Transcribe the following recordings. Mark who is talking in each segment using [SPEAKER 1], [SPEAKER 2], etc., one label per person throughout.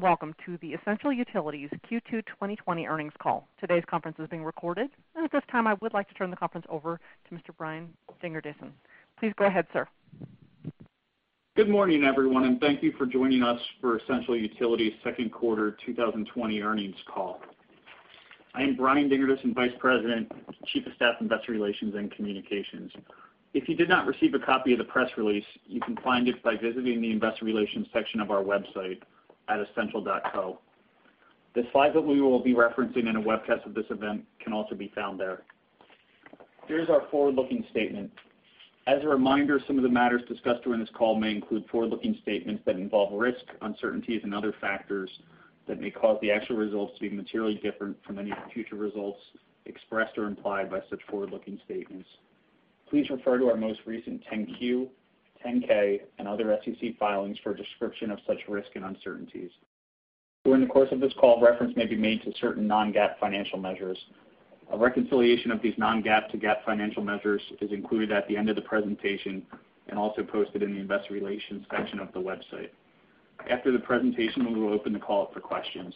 [SPEAKER 1] Welcome to the Essential Utilities Q2 2020 earnings call. Today's conference is being recorded. At this time, I would like to turn the conference over to Mr. Brian Dingerdissen. Please go ahead, sir.
[SPEAKER 2] Good morning, everyone, and thank you for joining us for Essential Utilities' second quarter 2020 earnings call. I am Brian Dingerdissen, vice president, chief of staff, investor relations, and communications. If you did not receive a copy of the press release, you can find it by visiting the investor relations section of our website at essential.co. The slides that we will be referencing in a webcast of this event can also be found there. Here's our forward-looking statement. As a reminder, some of the matters discussed during this call may include forward-looking statements that involve risks, uncertainties, and other factors that may cause the actual results to be materially different from any future results expressed or implied by such forward-looking statements. Please refer to our most recent 10-Q, 10-K, and other SEC filings for a description of such risks and uncertainties. During the course of this call, reference may be made to certain non-GAAP financial measures. A reconciliation of these non-GAAP to GAAP financial measures is included at the end of the presentation and also posted in the investor relations section of the website. After the presentation, we will open the call up for questions.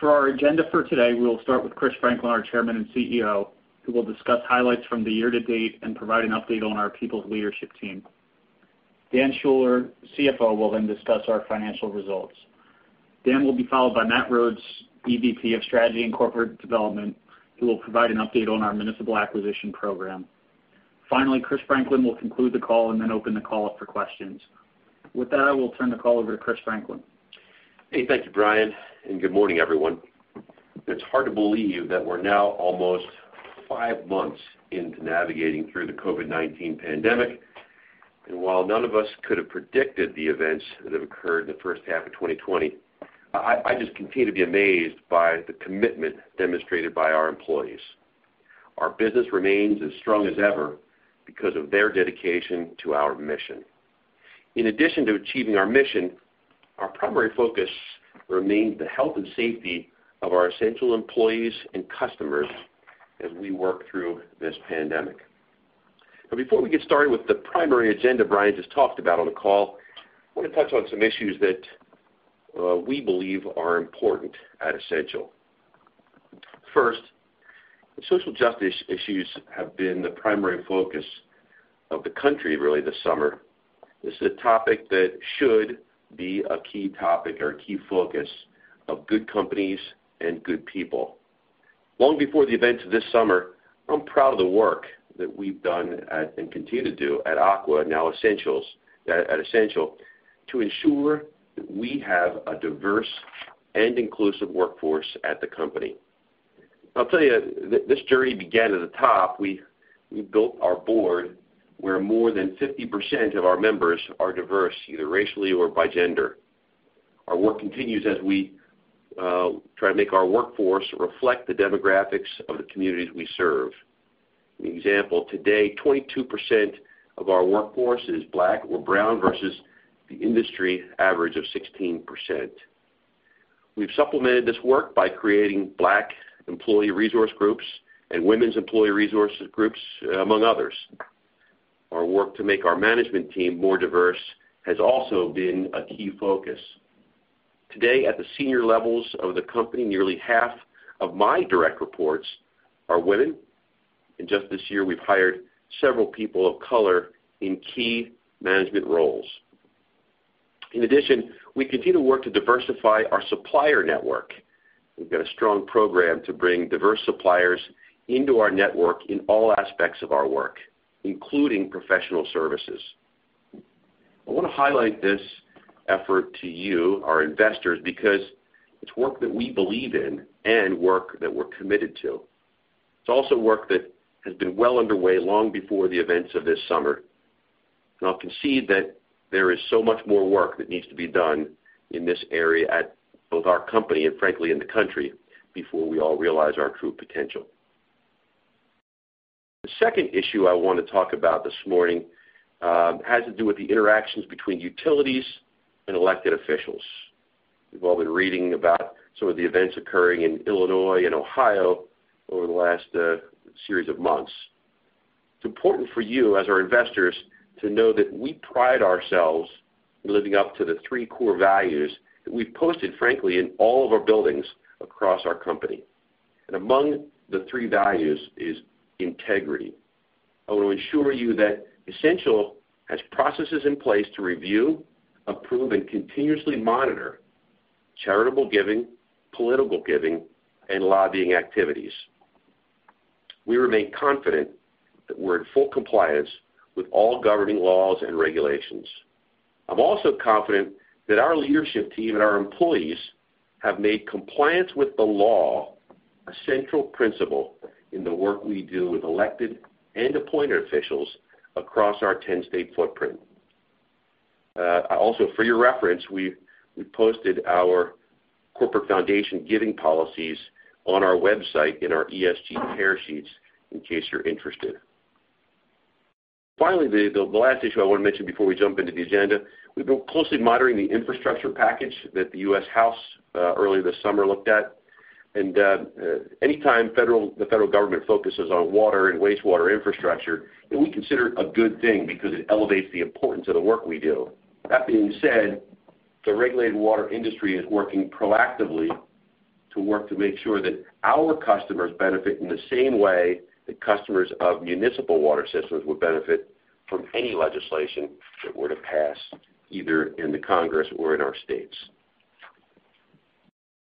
[SPEAKER 2] For our agenda for today, we will start with Chris Franklin, our Chairman and CEO, who will discuss highlights from the year-to-date and provide an update on our people leadership team. Dan Schuller, CFO, will then discuss our financial results. Dan will be followed by Matt Rhodes, EVP of Strategy and Corporate Development, who will provide an update on our municipal acquisition program. Finally, Chris Franklin will conclude the call and then open the call up for questions. With that, I will turn the call over to Chris Franklin.
[SPEAKER 3] Hey, thank you, Brian. Good morning, everyone. It's hard to believe that we're now almost five months into navigating through the COVID-19 pandemic. While none of us could have predicted the events that have occurred in the first half of 2020, I just continue to be amazed by the commitment demonstrated by our employees. Our business remains as strong as ever because of their dedication to our mission. In addition to achieving our mission, our primary focus remains the health and safety of our essential employees and customers as we work through this pandemic. Before we get started with the primary agenda Brian just talked about on the call, I want to touch on some issues that we believe are important at Essential. First, social justice issues have been the primary focus of the country, really, this summer. This is a topic that should be a key topic or a key focus of good companies and good people. Long before the events of this summer, I'm proud of the work that we've done and continue to do at Aqua, now at Essential, to ensure that we have a diverse and inclusive workforce at the company. I'll tell you, this journey began at the top. We built our board where more than 50% of our members are diverse, either racially or by gender. Our work continues as we try to make our workforce reflect the demographics of the communities we serve. An example, today, 22% of our workforce is Black or brown versus the industry average of 16%. We've supplemented this work by creating Black employee resource groups and women's employee resource groups, among others. Our work to make our management team more diverse has also been a key focus. Today, at the senior levels of the company, nearly half of my direct reports are women. Just this year, we've hired several people of color in key management roles. In addition, we continue to work to diversify our supplier network. We've got a strong program to bring diverse suppliers into our network in all aspects of our work, including professional services. I want to highlight this effort to you, our investors, because it's work that we believe in and work that we're committed to. It's also work that has been well underway long before the events of this summer. I'll concede that there is so much more work that needs to be done in this area at both our company and, frankly, in the country before we all realize our true potential. The second issue I want to talk about this morning has to do with the interactions between utilities and elected officials. You've all been reading about some of the events occurring in Illinois and Ohio over the last series of months. It's important for you, as our investors, to know that we pride ourselves in living up to the three core values that we've posted, frankly, in all of our buildings across our company. Among the three values is integrity. I want to assure you that Essential has processes in place to review, approve, and continuously monitor charitable giving, political giving, and lobbying activities. We remain confident that we're in full compliance with all governing laws and regulations. I'm also confident that our leadership team and our employees have made compliance with the law a central principle in the work we do with elected and appointed officials across our 10-state footprint. For your reference, we posted our corporate foundation giving policies on our website in our ESG Tear Sheets, in case you're interested. The last issue I want to mention before we jump into the agenda, we've been closely monitoring the infrastructure package that the U.S. House earlier this summer looked at. Anytime the federal government focuses on water and wastewater infrastructure, we consider it a good thing because it elevates the importance of the work we do. That being said, the regulated water industry is working proactively to work to make sure that our customers benefit in the same way that customers of municipal water systems would benefit from any legislation that were to pass, either in the Congress or in our states.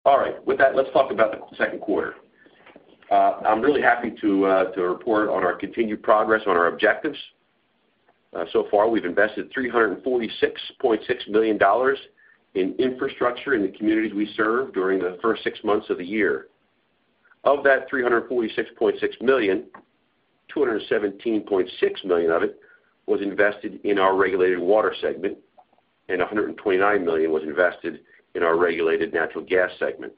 [SPEAKER 3] All right. With that, let's talk about the second quarter. I'm really happy to report on our continued progress on our objectives. So far, we've invested $346.6 million in infrastructure in the communities we serve during the first six months of the year. Of that $346.6 million, $217.6 million of it was invested in our regulated water segment, and $129 million was invested in our regulated natural gas segment.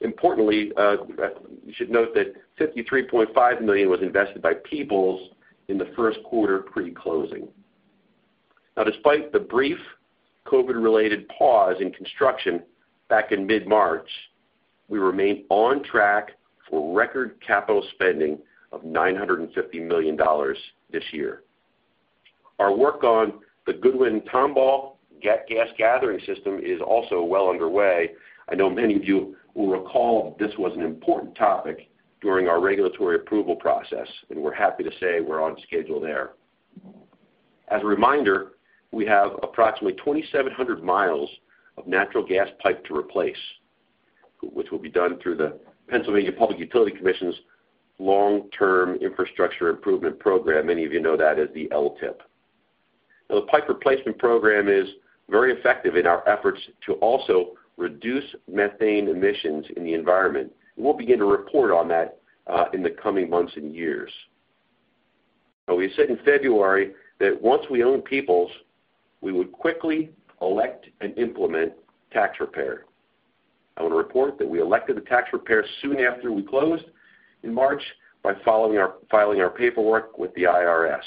[SPEAKER 3] Importantly, you should note that $53.5 million was invested by Peoples in the first quarter pre-closing. Despite the brief COVID-related pause in construction back in mid-March, we remain on track for record capital spending of $950 million this year. Our work on the Goodwin Tombaugh gas gathering system is also well underway. I know many of you will recall this was an important topic during our regulatory approval process, and we're happy to say we're on schedule there. As a reminder, we have approximately 2,700 miles of natural gas pipe to replace, which will be done through the Pennsylvania Public Utility Commission's Long-Term Infrastructure Improvement Plan. Many of you know that as the LTIIP. The pipe replacement program is very effective in our efforts to also reduce methane emissions in the environment. We'll begin to report on that in the coming months and years. We said in February that once we own Peoples, we would quickly elect and implement tax repair. I want to report that we elected the tax repair soon after we closed in March by filing our paperwork with the IRS.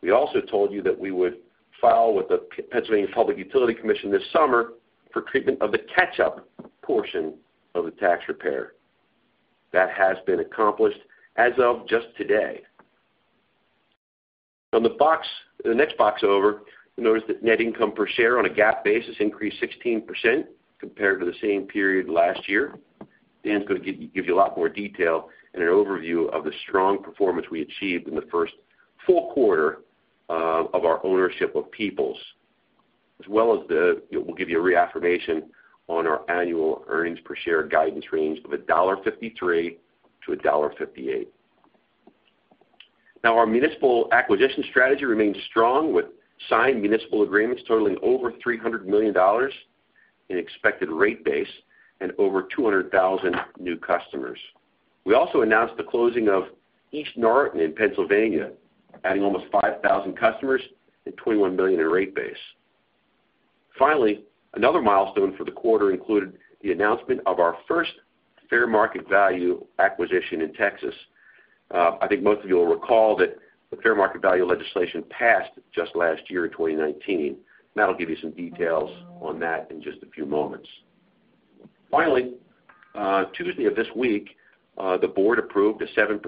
[SPEAKER 3] We also told you that we would file with the Pennsylvania Public Utility Commission this summer for treatment of the catch-up portion of the tax repair. That has been accomplished as of just today. On the next box over, you'll notice that net income per share on a GAAP basis increased 16% compared to the same period last year. Dan's going to give you a lot more detail and an overview of the strong performance we achieved in the first full quarter of our ownership of Peoples, as well as we'll give you a reaffirmation on our annual earnings per share guidance range of $1.53-$1.58. Our municipal acquisition strategy remains strong with signed municipal agreements totaling over $300 million in expected rate base and over 200,000 new customers. We also announced the closing of East Norriton in Pennsylvania, adding almost 5,000 customers and $21 million in rate base. Finally, another milestone for the quarter included the announcement of our first fair market value acquisition in Texas. I think most of you will recall that the fair market value legislation passed just last year in 2019. I will give you some details on that in just a few moments. Finally, Tuesday of this week, the board approved a 7%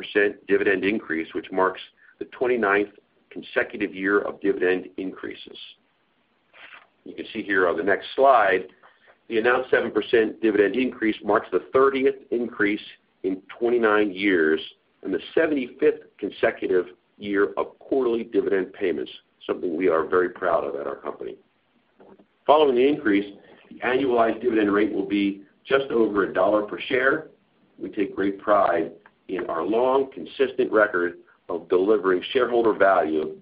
[SPEAKER 3] dividend increase, which marks the 29th consecutive year of dividend increases. You can see here on the next slide, the announced 7% dividend increase marks the 30th increase in 29 years and the 75th consecutive year of quarterly dividend payments, something we are very proud of at our company. Following the increase, the annualized dividend rate will be just over $1 per share. We take great pride in our long, consistent record of delivering shareholder value,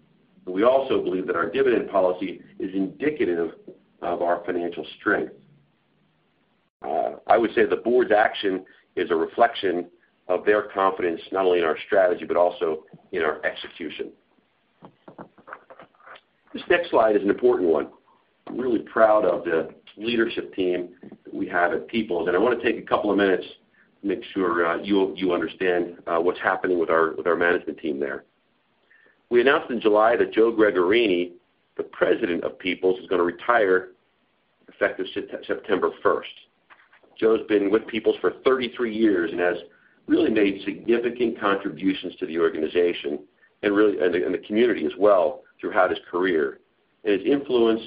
[SPEAKER 3] and we also believe that our dividend policy is indicative of our financial strength. I would say the board's action is a reflection of their confidence, not only in our strategy, but also in our execution. This next slide is an important one. I am really proud of the leadership team that we have at Peoples, and I want to take a couple of minutes to make sure you understand what's happening with our management team there. We announced in July that Joe Gregorini, the president of Peoples, is going to retire effective September 1st. Joe's been with Peoples for 33 years and has really made significant contributions to the organization and the community as well throughout his career. His influence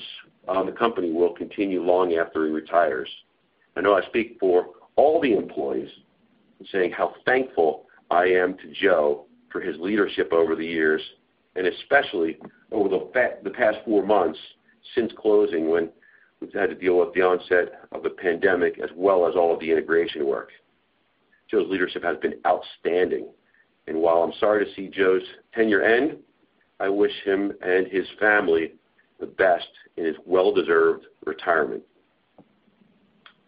[SPEAKER 3] on the company will continue long after he retires. I know I speak for all the employees in saying how thankful I am to Joe for his leadership over the years, and especially over the past four months since closing, when we've had to deal with the onset of the pandemic as well as all of the integration work. Joe's leadership has been outstanding. While I'm sorry to see Joe's tenure end, I wish him and his family the best in his well-deserved retirement.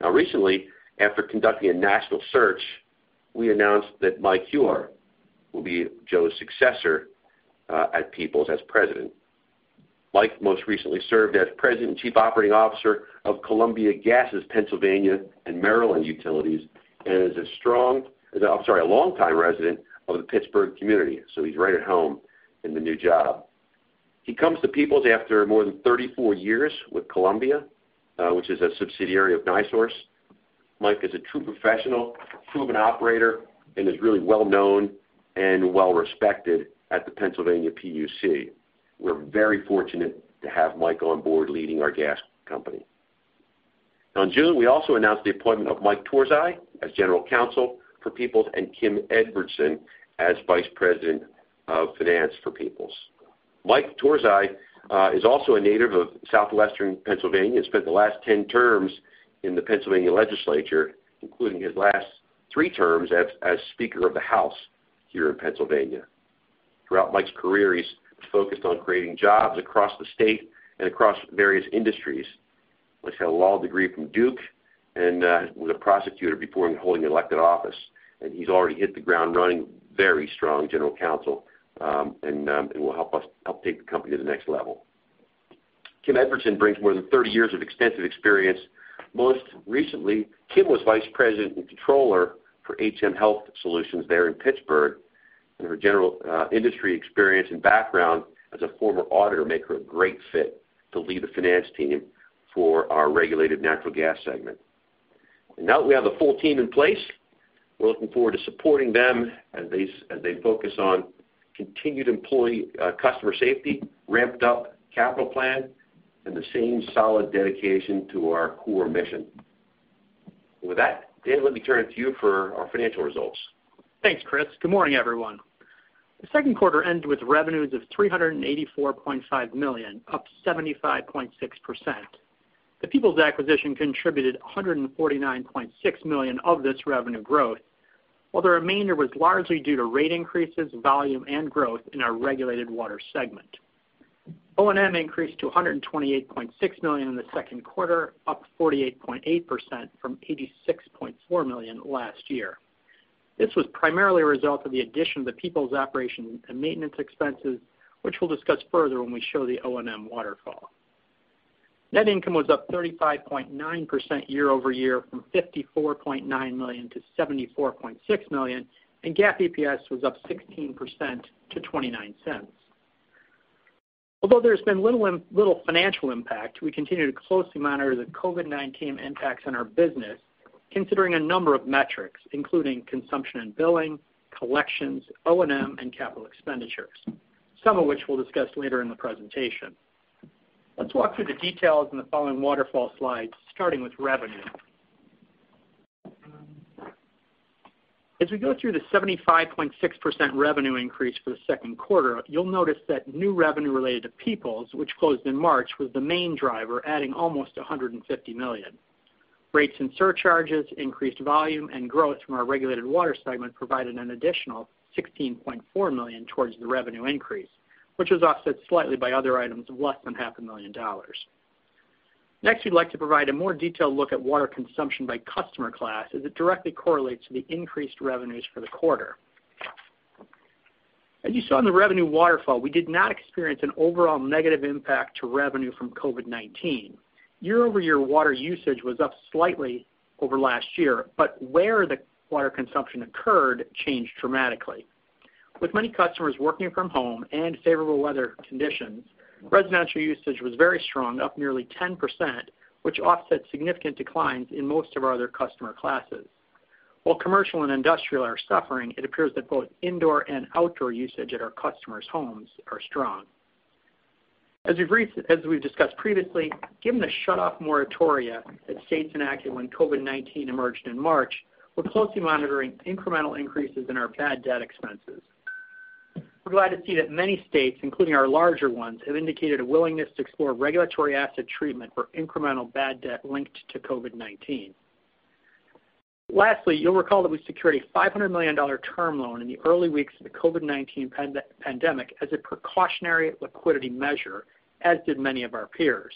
[SPEAKER 3] Recently, after conducting a national search, we announced that Mike Huwar will be Joe's successor at Peoples as president. Mike most recently served as president and chief operating officer of Columbia Gas' Pennsylvania and Maryland utilities, and is a longtime resident of the Pittsburgh community, so he's right at home in the new job. He comes to Peoples after more than 34 years with Columbia, which is a subsidiary of NiSource. Mike is a true professional, proven operator, and is really well-known and well-respected at the Pennsylvania PUC. We're very fortunate to have Mike on board leading our gas company. In June, we also announced the appointment of Mike Turzai as General Counsel for Peoples and Kim Edvardsson as Vice President of Finance for Peoples. Mike Turzai is also a native of Southwestern Pennsylvania, and spent the last 10 terms in the Pennsylvania legislature, including his last three terms as Speaker of the House here in Pennsylvania. Throughout Mike's career, he's focused on creating jobs across the state and across various industries. He's already hit the ground running, very strong general counsel, and will help us take the company to the next level. Kim Edvardsson brings more than 30 years of extensive experience. Most recently, Kim was Vice President and Controller for HM Health Solutions there in Pittsburgh, and her general industry experience and background as a former auditor make her a great fit to lead the finance team for our regulated natural gas segment. Now that we have the full team in place, we're looking forward to supporting them as they focus on continued employee customer safety, ramped-up capital plan, and the same solid dedication to our core mission. With that, Dan, let me turn it to you for our financial results.
[SPEAKER 4] Thanks, Chris. Good morning, everyone. The second quarter ended with revenues of $384.5 million, up 75.6%. The Peoples acquisition contributed $149.6 million of this revenue growth, while the remainder was largely due to rate increases, volume, and growth in our regulated water segment. O&M increased to $128.6 million in the second quarter, up 48.8% from $86.4 million last year. This was primarily a result of the addition of the Peoples operations and maintenance expenses, which we'll discuss further when we show the O&M waterfall. Net income was up 35.9% year-over-year from $54.9 million-$74.6 million, and GAAP EPS was up 16% to $0.29. Although there's been little financial impact, we continue to closely monitor the COVID-19 impacts on our business, considering a number of metrics, including consumption and billing, collections, O&M, and capital expenditures, some of which we'll discuss later in the presentation. Let's walk through the details in the following waterfall slides, starting with revenue. As we go through the 75.6% revenue increase for the second quarter, you'll notice that new revenue related to Peoples, which closed in March, was the main driver, adding almost $150 million. Rates and surcharges, increased volume, and growth from our regulated water segment provided an additional $16.4 million towards the revenue increase, which was offset slightly by other items of less than half a million dollars. Next, we'd like to provide a more detailed look at water consumption by customer class, as it directly correlates to the increased revenues for the quarter. As you saw in the revenue waterfall, we did not experience an overall negative impact to revenue from COVID-19. Year-over-year water usage was up slightly over last year, but where the water consumption occurred changed dramatically. With many customers working from home and favorable weather conditions, residential usage was very strong, up nearly 10%, which offset significant declines in most of our other customer classes. While commercial and industrial are suffering, it appears that both indoor and outdoor usage at our customers' homes are strong. As we've discussed previously, given the shutoff moratoria that states enacted when COVID-19 emerged in March, we're closely monitoring incremental increases in our bad debt expenses. We're glad to see that many states, including our larger ones, have indicated a willingness to explore regulatory asset treatment for incremental bad debt linked to COVID-19. Lastly, you'll recall that we secured a $500 million term loan in the early weeks of the COVID-19 pandemic as a precautionary liquidity measure, as did many of our peers.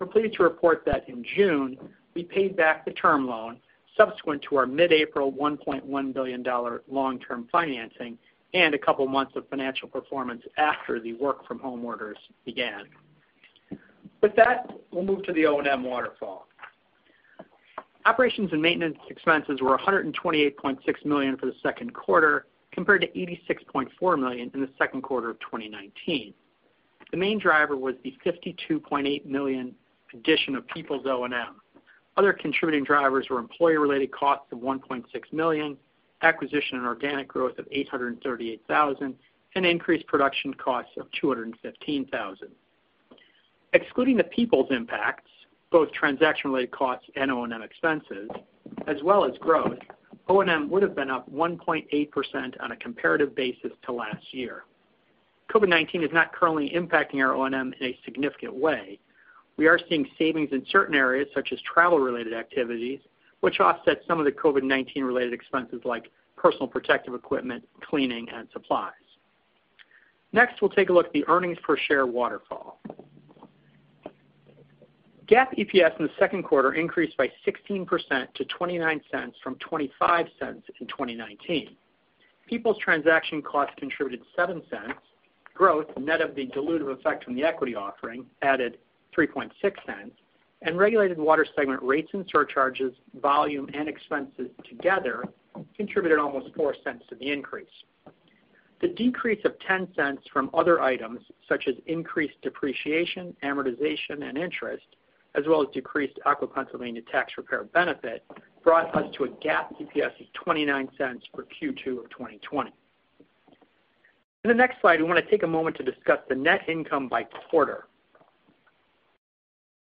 [SPEAKER 4] We're pleased to report that in June, we paid back the term loan subsequent to our mid-April $1.1 billion long-term financing and two months of financial performance after the work from home orders began. With that, we'll move to the O&M waterfall. Operations and maintenance expenses were $128.6 million for the second quarter, compared to $86.4 million in the second quarter of 2019. The main driver was the $52.8 million addition of Peoples' O&M. Other contributing drivers were employee-related costs of $1.6 million, acquisition and organic growth of $838,000, and increased production costs of $215,000. Excluding the Peoples impacts, both transaction-related costs and O&M expenses, as well as growth, O&M would've been up 1.8% on a comparative basis to last year. COVID-19 is not currently impacting our O&M in a significant way. We are seeing savings in certain areas, such as travel-related activities, which offset some of the COVID-19 related expenses like personal protective equipment, cleaning, and supplies. Next, we'll take a look at the earnings per share waterfall. GAAP EPS in the second quarter increased by 16% to $0.29 from $0.25 in 2019. Peoples transaction costs contributed $0.07, growth, net of the dilutive effect from the equity offering, added $0.036. Regulated water segment rates and surcharges, volume, and expenses together contributed almost $0.04 to the increase. The decrease of $0.10 from other items, such as increased depreciation, amortization, and interest, as well as decreased Aqua Pennsylvania tax repair benefit, brought us to a GAAP EPS of $0.29 for Q2 of 2020. In the next slide, we want to take a moment to discuss the net income by quarter.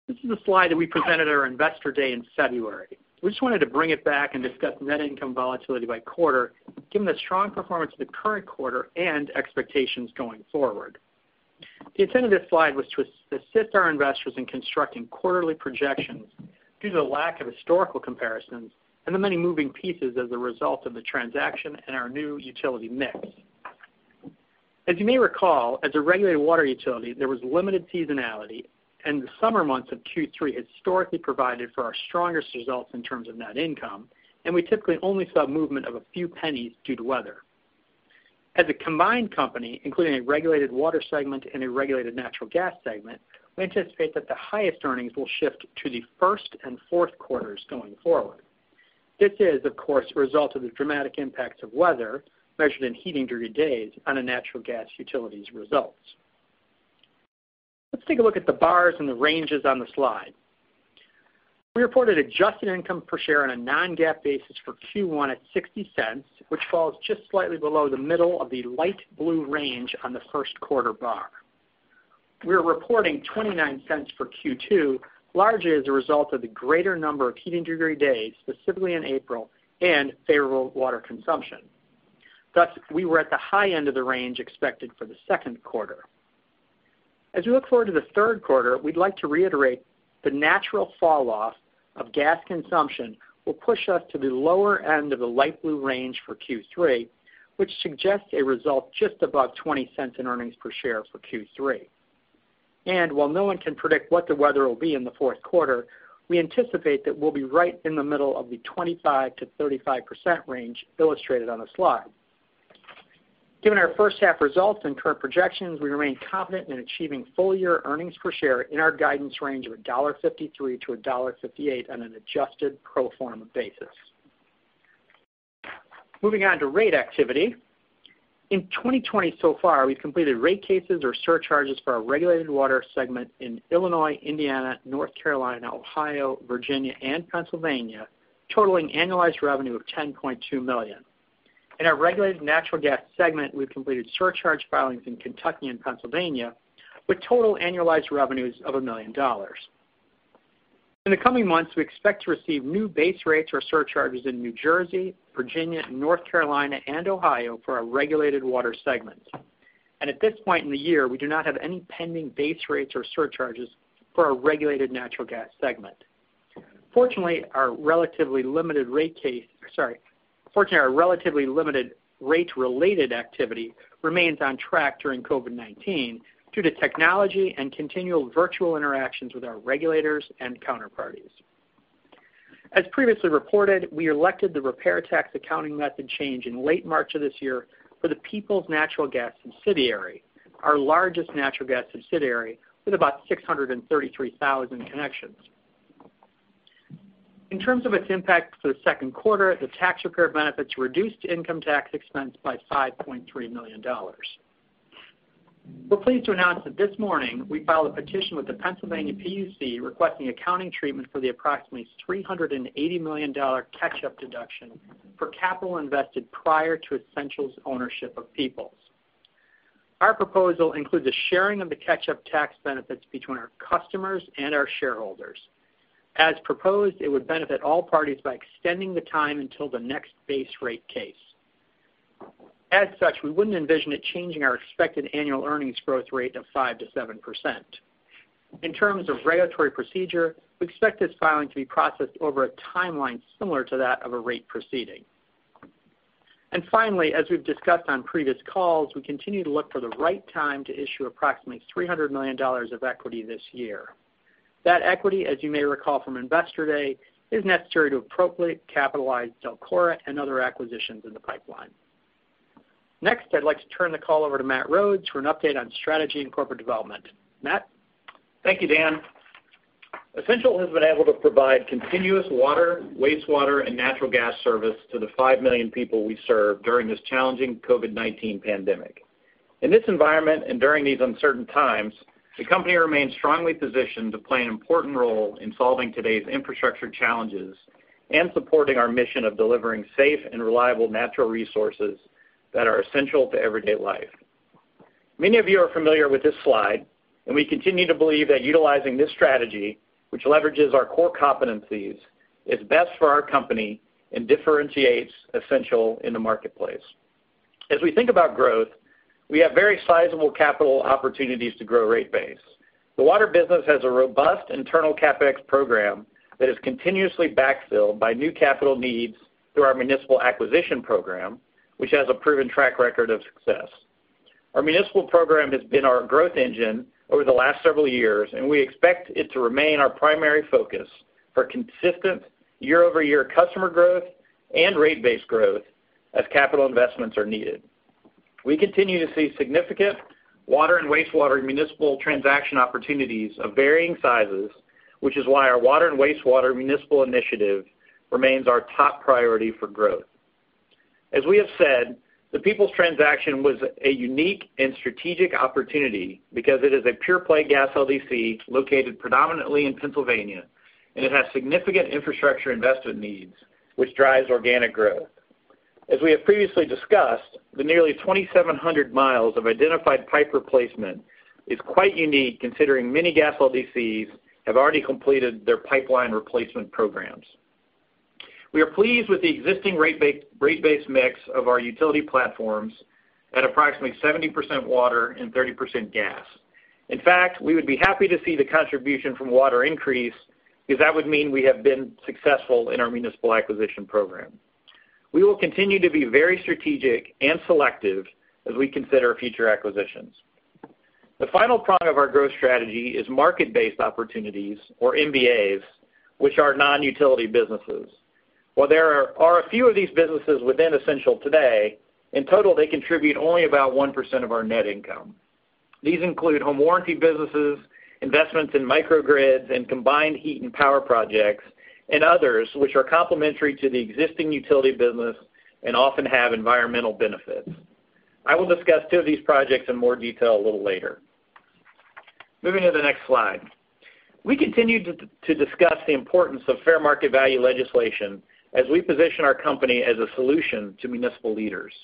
[SPEAKER 4] This is a slide that we presented at our Investor Day in February. We just wanted to bring it back and discuss net income volatility by quarter, given the strong performance of the current quarter and expectations going forward. The intent of this slide was to assist our investors in constructing quarterly projections due to the lack of historical comparisons and the many moving pieces as a result of the transaction and our new utility mix. As you may recall, as a regulated water utility, there was limited seasonality, and the summer months of Q3 historically provided for our strongest results in terms of net income, and we typically only saw movement of a few pennies due to weather. As a combined company, including a regulated water segment and a regulated natural gas segment, we anticipate that the highest earnings will shift to the first and fourth quarters going forward. This is, of course, a result of the dramatic impacts of weather, measured in heating degree days, on a natural gas utility's results. Let's take a look at the bars and the ranges on the slide. We reported adjusted income per share on a non-GAAP basis for Q1 at $0.60, which falls just slightly below the middle of the light blue range on the first quarter bar. We're reporting $0.29 for Q2, largely as a result of the greater number of heating degree days, specifically in April, and favorable water consumption. We were at the high end of the range expected for the second quarter. As we look forward to the third quarter, we'd like to reiterate the natural fall off of gas consumption will push us to the lower end of the light blue range for Q3, which suggests a result just above $0.20 in earnings per share for Q3. While no one can predict what the weather will be in the fourth quarter, we anticipate that we'll be right in the middle of the 25%-35% range illustrated on the slide. Given our first half results and current projections, we remain confident in achieving full-year earnings per share in our guidance range of $1.53-$1.58 on an adjusted pro forma basis. Moving on to rate activity. In 2020 so far, we've completed rate cases or surcharges for our regulated water segment in Illinois, Indiana, North Carolina, Ohio, Virginia, and Pennsylvania, totaling annualized revenue of $10.2 million. In our regulated natural gas segment, we've completed surcharge filings in Kentucky and Pennsylvania with total annualized revenues of $1 million. In the coming months, we expect to receive new base rates or surcharges in New Jersey, Virginia, North Carolina, and Ohio for our regulated water segment. At this point in the year, we do not have any pending base rates or surcharges for our regulated natural gas segment. Fortunately, our relatively limited rate-related activity remains on track during COVID-19 due to technology and continual virtual interactions with our regulators and counterparties. As previously reported, we elected the repair tax accounting method change in late March of this year for the Peoples Natural Gas subsidiary, our largest natural gas subsidiary, with about 633,000 connections. In terms of its impact to the second quarter, the tax repair benefits reduced income tax expense by $5.3 million. We're pleased to announce that this morning, we filed a petition with the Pennsylvania PUC requesting accounting treatment for the approximately $380 million catch-up deduction for capital invested prior to Essential's ownership of Peoples. Our proposal includes a sharing of the catch-up tax benefits between our customers and our shareholders. As proposed, it would benefit all parties by extending the time until the next base rate case. As such, we wouldn't envision it changing our expected annual earnings growth rate of 5%-7%. In terms of regulatory procedure, we expect this filing to be processed over a timeline similar to that of a rate proceeding. Finally, as we've discussed on previous calls, we continue to look for the right time to issue approximately $300 million of equity this year. That equity, as you may recall from Investor Day, is necessary to appropriately capitalize DELCORA and other acquisitions in the pipeline. Next, I'd like to turn the call over to Matt Rhodes for an update on strategy and corporate development. Matt?
[SPEAKER 5] Thank you, Dan. Essential has been able to provide continuous water, wastewater, and natural gas service to the 5 million people we serve during this challenging COVID-19 pandemic. In this environment and during these uncertain times, the company remains strongly positioned to play an important role in solving today's infrastructure challenges and supporting our mission of delivering safe and reliable natural resources that are essential to everyday life. Many of you are familiar with this slide, we continue to believe that utilizing this strategy, which leverages our core competencies, is best for our company and differentiates Essential in the marketplace. As we think about growth, we have very sizable capital opportunities to grow rate base. The water business has a robust internal CapEx program that is continuously backfilled by new capital needs through our municipal acquisition program, which has a proven track record of success. Our municipal program has been our growth engine over the last several years, and we expect it to remain our primary focus for consistent year-over-year customer growth and rate base growth as capital investments are needed. We continue to see significant water and wastewater municipal transaction opportunities of varying sizes, which is why our water and wastewater municipal initiative remains our top priority for growth. As we have said, the Peoples transaction was a unique and strategic opportunity because it is a pure-play gas LDC located predominantly in Pennsylvania, and it has significant infrastructure investment needs, which drives organic growth. As we have previously discussed, the nearly 2,700 miles of identified pipe replacement is quite unique considering many gas LDCs have already completed their pipeline replacement programs. We are pleased with the existing rate base mix of our utility platforms at approximately 70% water and 30% gas. In fact, we would be happy to see the contribution from water increase because that would mean we have been successful in our municipal acquisition program. We will continue to be very strategic and selective as we consider future acquisitions. The final prong of our growth strategy is market-based opportunities or MBAs, which are non-utility businesses. While there are a few of these businesses within Essential today, in total they contribute only about 1% of our net income. These include home warranty businesses, investments in microgrids and combined heat and power projects, and others which are complementary to the existing utility business and often have environmental benefits. I will discuss two of these projects in more detail a little later. Moving to the next slide. We continue to discuss the importance of fair market value legislation as we position our company as a solution to municipal leaders.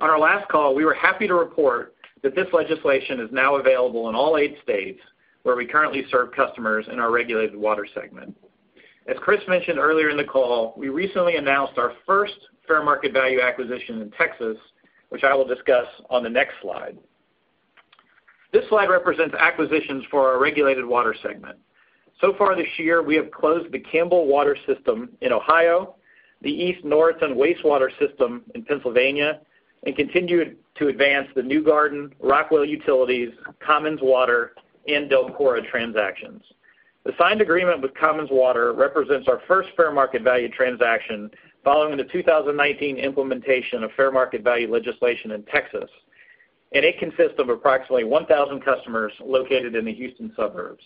[SPEAKER 5] On our last call, we were happy to report that this legislation is now available in all eight states where we currently serve customers in our regulated water segment. As Chris mentioned earlier in the call, we recently announced our first fair market value acquisition in Texas, which I will discuss on the next slide. This slide represents acquisitions for our regulated water segment. So far this year, we have closed the Campbell Water System in Ohio, the East Norriton Wastewater System in Pennsylvania and continue to advance the New Garden, Rockwell Utilities, Commons Water Supply and DELCORA transactions. The signed agreement with Commons Water Supply represents our first fair market value transaction following the 2019 implementation of fair market value legislation in Texas, and it consists of approximately 1,000 customers located in the Houston suburbs.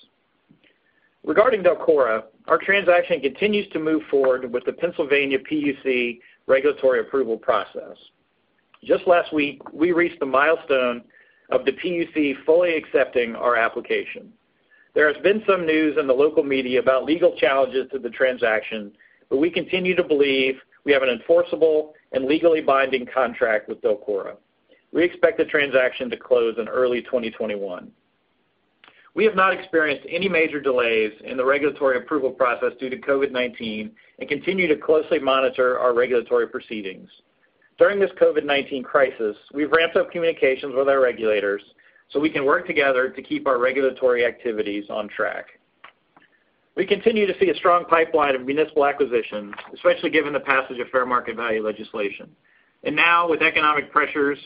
[SPEAKER 5] Regarding DELCORA, our transaction continues to move forward with the Pennsylvania PUC regulatory approval process. Just last week, we reached the milestone of the PUC fully accepting our application. There has been some news in the local media about legal challenges to the transaction, but we continue to believe we have an enforceable and legally binding contract with DELCORA. We expect the transaction to close in early 2021. We have not experienced any major delays in the regulatory approval process due to COVID-19 and continue to closely monitor our regulatory proceedings. During this COVID-19 crisis, we've ramped up communications with our regulators so we can work together to keep our regulatory activities on track. We continue to see a strong pipeline of municipal acquisitions, especially given the passage of fair market value legislation. Now with economic pressures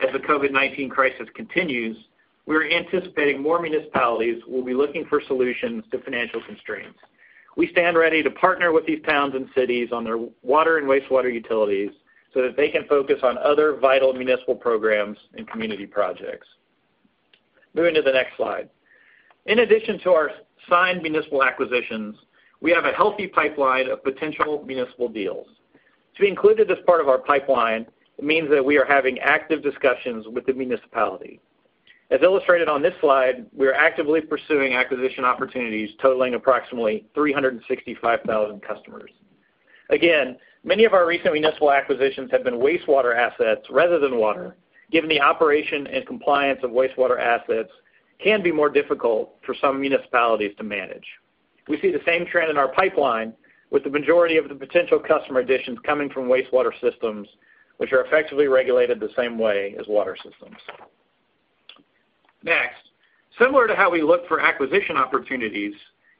[SPEAKER 5] as the COVID-19 crisis continues, we're anticipating more municipalities will be looking for solutions to financial constraints. We stand ready to partner with these towns and cities on their water and wastewater utilities so that they can focus on other vital municipal programs and community projects. Moving to the next slide. In addition to our signed municipal acquisitions, we have a healthy pipeline of potential municipal deals. To be included as part of our pipeline means that we are having active discussions with the municipality. As illustrated on this slide, we are actively pursuing acquisition opportunities totaling approximately 365,000 customers. Again, many of our recent municipal acquisitions have been wastewater assets rather than water, given the operation and compliance of wastewater assets can be more difficult for some municipalities to manage. We see the same trend in our pipeline with the majority of the potential customer additions coming from wastewater systems, which are effectively regulated the same way as water systems. Next, similar to how we look for acquisition opportunities,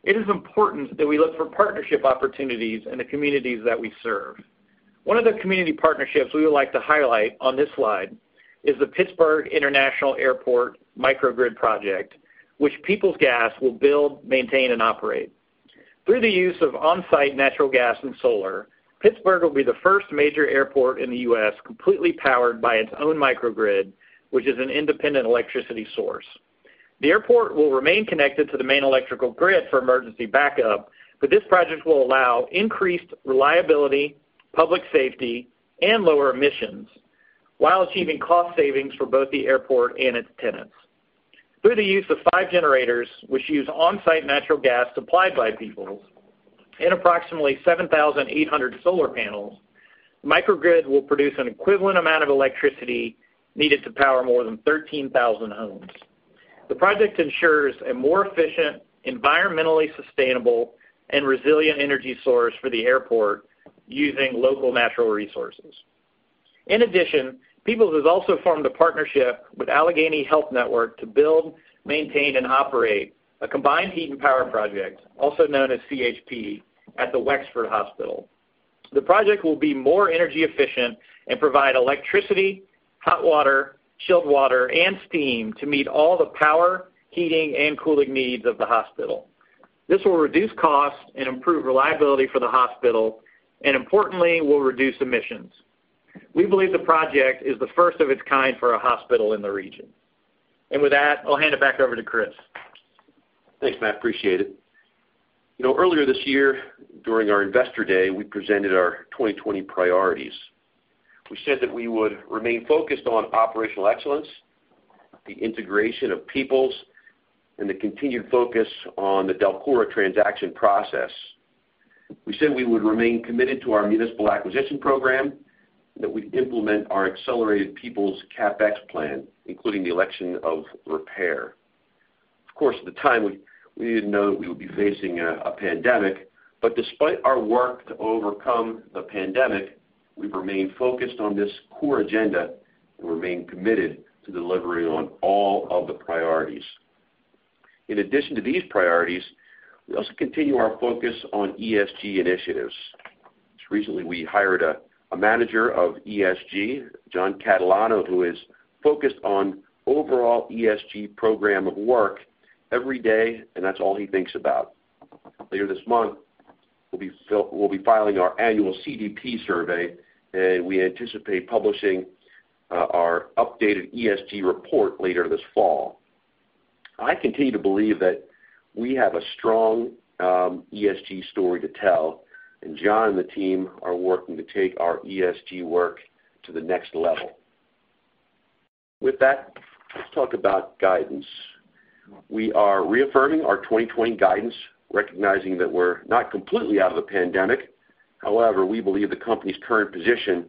[SPEAKER 5] it is important that we look for partnership opportunities in the communities that we serve. One of the community partnerships we would like to highlight on this slide is the Pittsburgh International Airport Microgrid Project, which Peoples Gas will build, maintain and operate. Through the use of on-site natural gas and solar, Pittsburgh will be the first major airport in the U.S. completely powered by its own microgrid, which is an independent electricity source. The airport will remain connected to the main electrical grid for emergency backup, this project will allow increased reliability, public safety and lower emissions while achieving cost savings for both the airport and its tenants. Through the use of five generators, which use on-site natural gas supplied by Peoples and approximately 7,800 solar panels, microgrid will produce an equivalent amount of electricity needed to power more than 13,000 homes. The project ensures a more efficient, environmentally sustainable and resilient energy source for the airport using local natural resources. In addition, Peoples has also formed a partnership with Allegheny Health Network to build, maintain and operate a combined heat and power project, also known as CHP, at the Wexford Hospital. The project will be more energy efficient and provide electricity, hot water, chilled water and steam to meet all the power, heating and cooling needs of the hospital. This will reduce costs and improve reliability for the hospital, and importantly, will reduce emissions. We believe the project is the first of its kind for a hospital in the region. With that, I'll hand it back over to Chris.
[SPEAKER 3] Thanks, Matt. Appreciate it. Earlier this year, during our Investor Day, we presented our 2020 priorities. We said that we would remain focused on operational excellence, the integration of Peoples, and the continued focus on the DELCORA transaction process. We said we would remain committed to our municipal acquisition program, that we'd implement our accelerated Peoples CapEx plan, including the election of repair. Of course, at the time, we didn't know that we would be facing a pandemic, but despite our work to overcome the pandemic, we've remained focused on this core agenda and remain committed to delivering on all of the priorities. In addition to these priorities, we also continue our focus on ESG initiatives. Just recently, we hired a manager of ESG, John Catalano, who is focused on overall ESG program of work every day, and that's all he thinks about. Later this month, we'll be filing our annual CDP survey, and we anticipate publishing our updated ESG report later this fall. I continue to believe that we have a strong ESG story to tell, and John and the team are working to take our ESG work to the next level. With that, let's talk about guidance. We are reaffirming our 2020 guidance, recognizing that we're not completely out of the pandemic. However, we believe the company's current position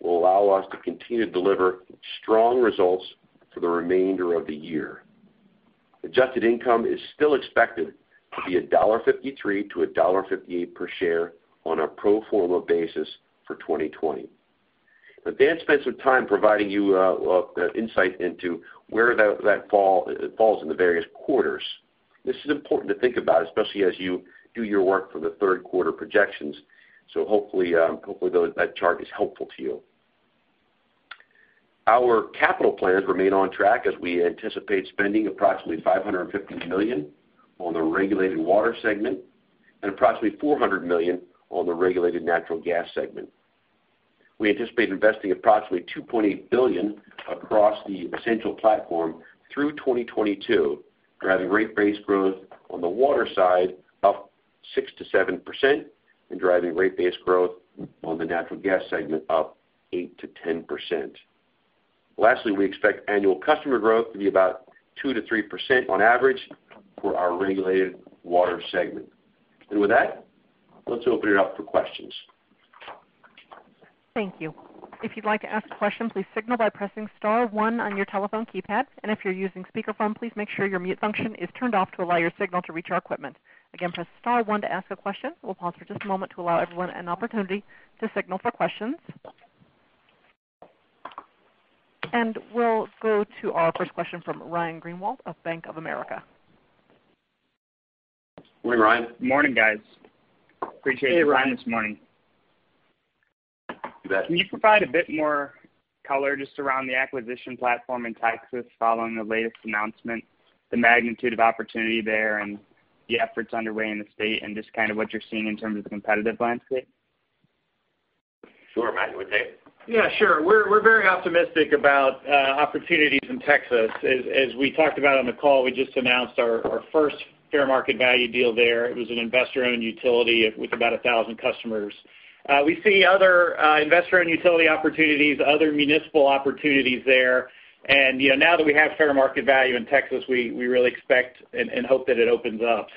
[SPEAKER 3] will allow us to continue to deliver strong results for the remainder of the year. Adjusted income is still expected to be $1.53-$1.58 per share on a pro forma basis for 2020. Now, Dan spent some time providing you insight into where that falls in the various quarters. This is important to think about, especially as you do your work for the third quarter projections, so hopefully that chart is helpful to you. Our capital plans remain on track as we anticipate spending approximately $550 million on the regulated water segment and approximately $400 million on the regulated natural gas segment. We anticipate investing approximately $2.8 billion across the Essential platform through 2022, driving rate base growth on the water side up 6%-7% and driving rate base growth on the natural gas segment up 8%-10%. We expect annual customer growth to be about 2%-3% on average for our regulated water segment. With that, let's open it up for questions.
[SPEAKER 1] Thank you. If you'd like to ask a question, please signal by pressing star one on your telephone keypad. If you're using speakerphone, please make sure your mute function is turned off to allow your signal to reach our equipment. Again, press star one to ask a question. We'll pause for just a moment to allow everyone an opportunity to signal for questions. We'll go to our first question from Ryan Greenwald of Bank of America.
[SPEAKER 3] Good morning, Ryan.
[SPEAKER 6] Morning, guys. Appreciate your time this morning.
[SPEAKER 3] You bet.
[SPEAKER 6] Can you provide a bit more color just around the acquisition platform in Texas following the latest announcement, the magnitude of opportunity there, and the efforts underway in the state, and just kind of what you're seeing in terms of the competitive landscape?
[SPEAKER 3] Sure. Matt, you want to take it?
[SPEAKER 5] Yeah, sure. We're very optimistic about opportunities in Texas. As we talked about on the call, we just announced our first fair market value deal there. It was an investor-owned utility with about 1,000 customers. We see other investor-owned utility opportunities, other municipal opportunities there, and now that we have fair market value in Texas, we really expect and hope that it opens up.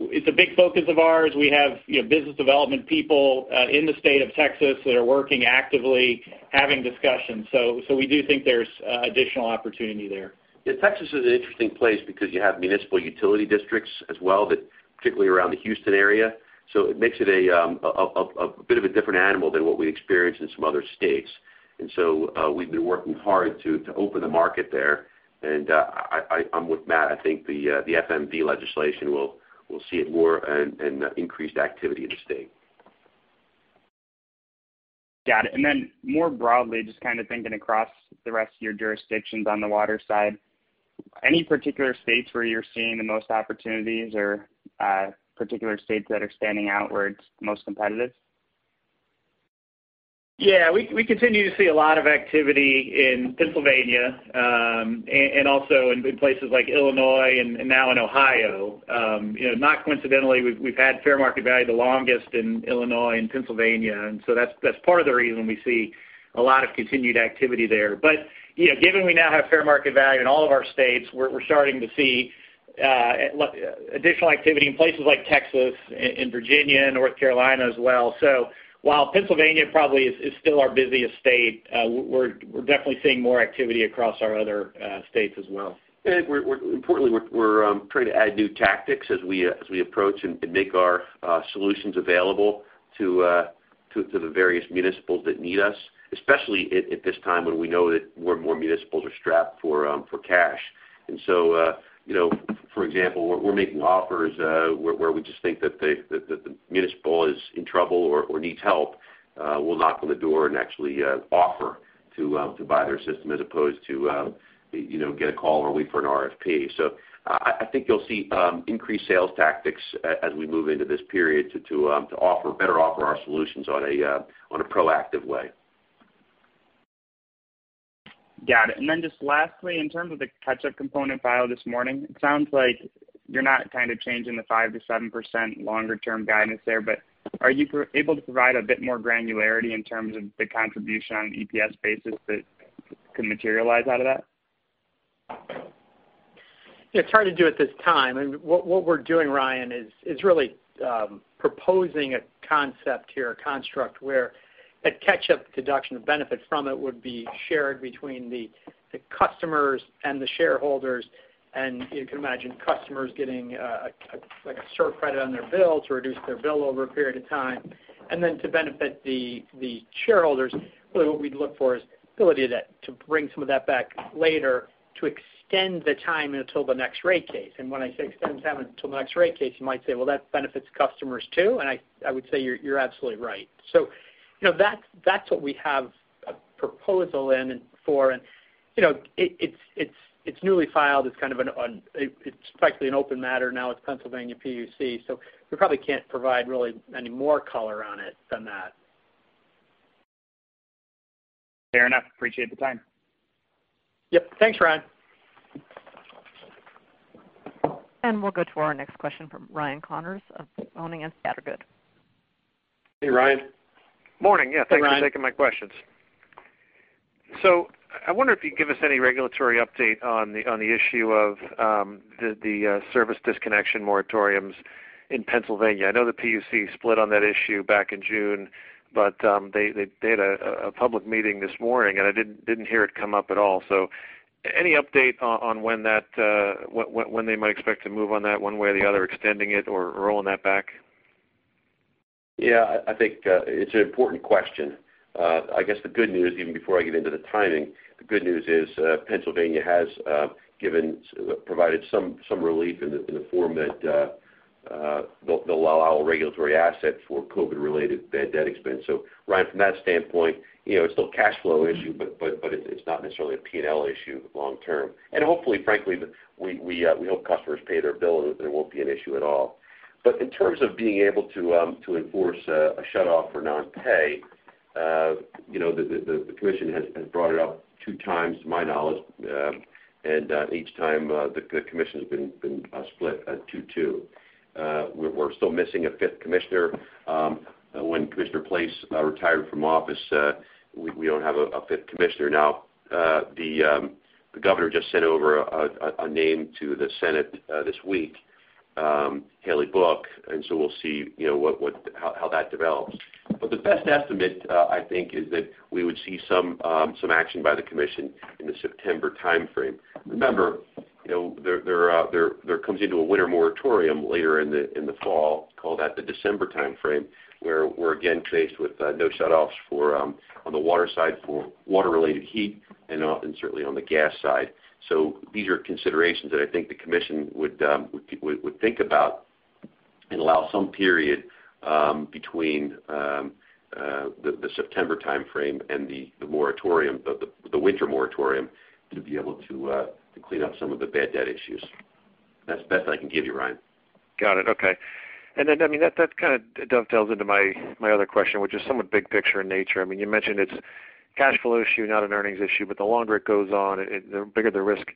[SPEAKER 5] It's a big focus of ours. We have business development people in the state of Texas that are working actively, having discussions. We do think there's additional opportunity there.
[SPEAKER 3] Yeah, Texas is an interesting place because you have municipal utility districts as well, particularly around the Houston area, so it makes it a bit of a different animal than what we experience in some other states. We've been working hard to open the market there. I'm with Matt. I think the FMV legislation will see it more and increased activity in the state.
[SPEAKER 6] Got it. More broadly, just kind of thinking across the rest of your jurisdictions on the water side, any particular states where you're seeing the most opportunities or particular states that are standing out where it's most competitive?
[SPEAKER 5] Yeah. We continue to see a lot of activity in Pennsylvania, and also in places like Illinois and now in Ohio. Not coincidentally, we've had fair market value the longest in Illinois and Pennsylvania, that's part of the reason we see a lot of continued activity there. Given we now have fair market value in all of our states, we're starting to see additional activity in places like Texas, in Virginia, and North Carolina as well. While Pennsylvania probably is still our busiest state, we're definitely seeing more activity across our other states as well.
[SPEAKER 3] Importantly, we're trying to add new tactics as we approach and make our solutions available to the various municipals that need us, especially at this time when we know that more municipals are strapped for cash. For example, we're making offers where we just think that the municipal is in trouble or needs help. We'll knock on the door and actually offer to buy their system as opposed to get a call or wait for an RFP. I think you'll see increased sales tactics as we move into this period to better offer our solutions on a proactive way.
[SPEAKER 6] Got it. Just lastly, in terms of the catch-up component filed this morning, it sounds like you're not kind of changing the 5%-7% longer-term guidance there, but are you able to provide a bit more granularity in terms of the contribution on an EPS basis that could materialize out of that?
[SPEAKER 4] Yeah, it's hard to do at this time. I mean, what we're doing, Ryan, is really proposing a concept here, a construct where that catch-up deduction, the benefit from it would be shared between the customers and the shareholders. You can imagine customers getting like a short credit on their bill to reduce their bill over a period of time. Then to benefit the shareholders, really what we'd look for is the ability to bring some of that back later to extend the time until the next rate case. When I say extend time until the next rate case, you might say, "Well, that benefits customers too?" I would say you're absolutely right. That's what we have a proposal in it for. It's newly filed. It's practically an open matter now with Pennsylvania PUC, so we probably can't provide really any more color on it than that.
[SPEAKER 6] Fair enough. Appreciate the time.
[SPEAKER 4] Yep. Thanks, Ryan.
[SPEAKER 1] We'll go to our next question from Ryan Connors of Boenning & Scattergood.
[SPEAKER 3] Hey, Ryan.
[SPEAKER 7] Morning. Yeah.
[SPEAKER 3] Hey, Ryan.
[SPEAKER 7] Thanks for taking my questions. I wonder if you'd give us any regulatory update on the issue of the service disconnection moratoriums in Pennsylvania. I know the PUC split on that issue back in June, but they had a public meeting this morning, and I didn't hear it come up at all. Any update on when they might expect to move on that one way or the other, extending it or rolling that back?
[SPEAKER 3] Yeah. I think it's an important question. I guess the good news, even before I get into the timing, the good news is, Pennsylvania has provided some relief in the form that they'll allow a regulatory asset for COVID-related bad debt expense. Ryan, from that standpoint, it's still a cash flow issue, but it's not necessarily a P&L issue long term. Hopefully, frankly, we hope customers pay their bill, and there won't be an issue at all. In terms of being able to enforce a shutoff for non-pay, the commission has brought it up two times, to my knowledge, and each time, the commission's been split 2-2. We're still missing a fifth commissioner. When Commissioner Place retired from office, we don't have a fifth commissioner now. The governor just sent over a name to the Senate this week, Hayley Book, and so we'll see how that develops. The best estimate, I think, is that we would see some action by the commission in the September timeframe. Remember, there comes into a winter moratorium later in the fall, call that the December timeframe, where we're again faced with no shutoffs on the water side for water-related heat and certainly on the gas side. These are considerations that I think the commission would think about and allow some period between the September timeframe and the winter moratorium to be able to clean up some of the bad debt issues. That's the best I can give you, Ryan.
[SPEAKER 7] Got it. Okay. I mean, that kind of dovetails into my other question, which is somewhat big picture in nature. I mean, you mentioned it's a cash flow issue, not an earnings issue, but the longer it goes on, the bigger the risk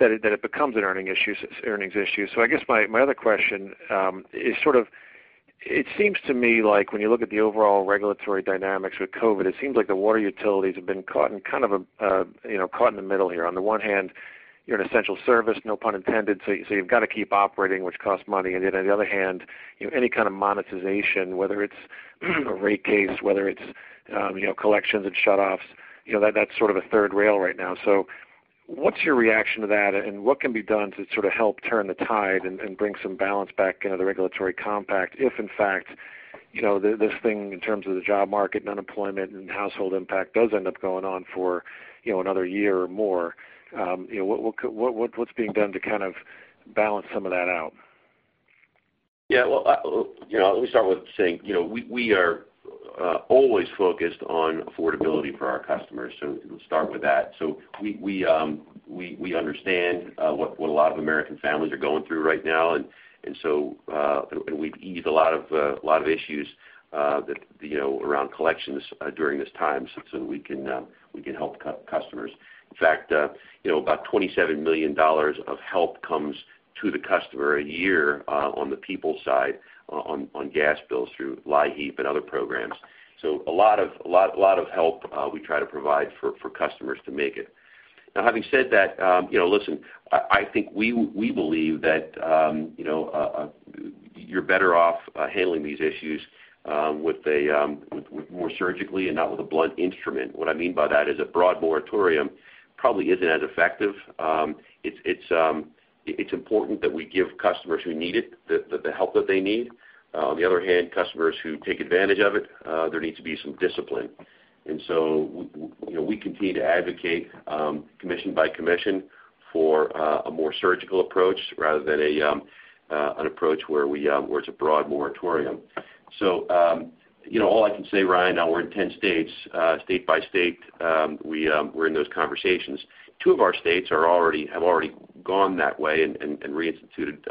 [SPEAKER 7] that it becomes an earnings issue. I guess my other question is sort of, it seems to me like when you look at the overall regulatory dynamics with COVID, it seems like the water utilities have been caught in the middle here. On the one hand, you're an Essential service, no pun intended, so you've got to keep operating, which costs money, and yet on the other hand, any kind of monetization, whether it's a rate case, whether it's collections and shutoffs, that's sort of a third rail right now. What's your reaction to that, and what can be done to sort of help turn the tide and bring some balance back into the regulatory compact, if in fact, this thing in terms of the job market and unemployment and household impact does end up going on for another year or more? What's being done to kind of balance some of that out?
[SPEAKER 3] Well, let me start with saying, we are always focused on affordability for our customers, so we'll start with that. We understand what a lot of American families are going through right now, and we've eased a lot of issues around collections during this time so we can help customers. In fact, about $27 million of help comes to the customer a year on the Peoples side, on gas bills through LIHEAP and other programs. A lot of help we try to provide for customers to make it. Now, having said that, listen, I think we believe that you're better off handling these issues more surgically and not with a blunt instrument. What I mean by that is a broad moratorium probably isn't as effective. It's important that we give customers who need it, the help that they need. On the other hand, customers who take advantage of it, there needs to be some discipline. We continue to advocate, commission by commission, for a more surgical approach rather than an approach where it's a broad moratorium. All I can say, Ryan, now we're in 10 states. State by state, we're in those conversations. Two of our states have already gone that way and reinstituted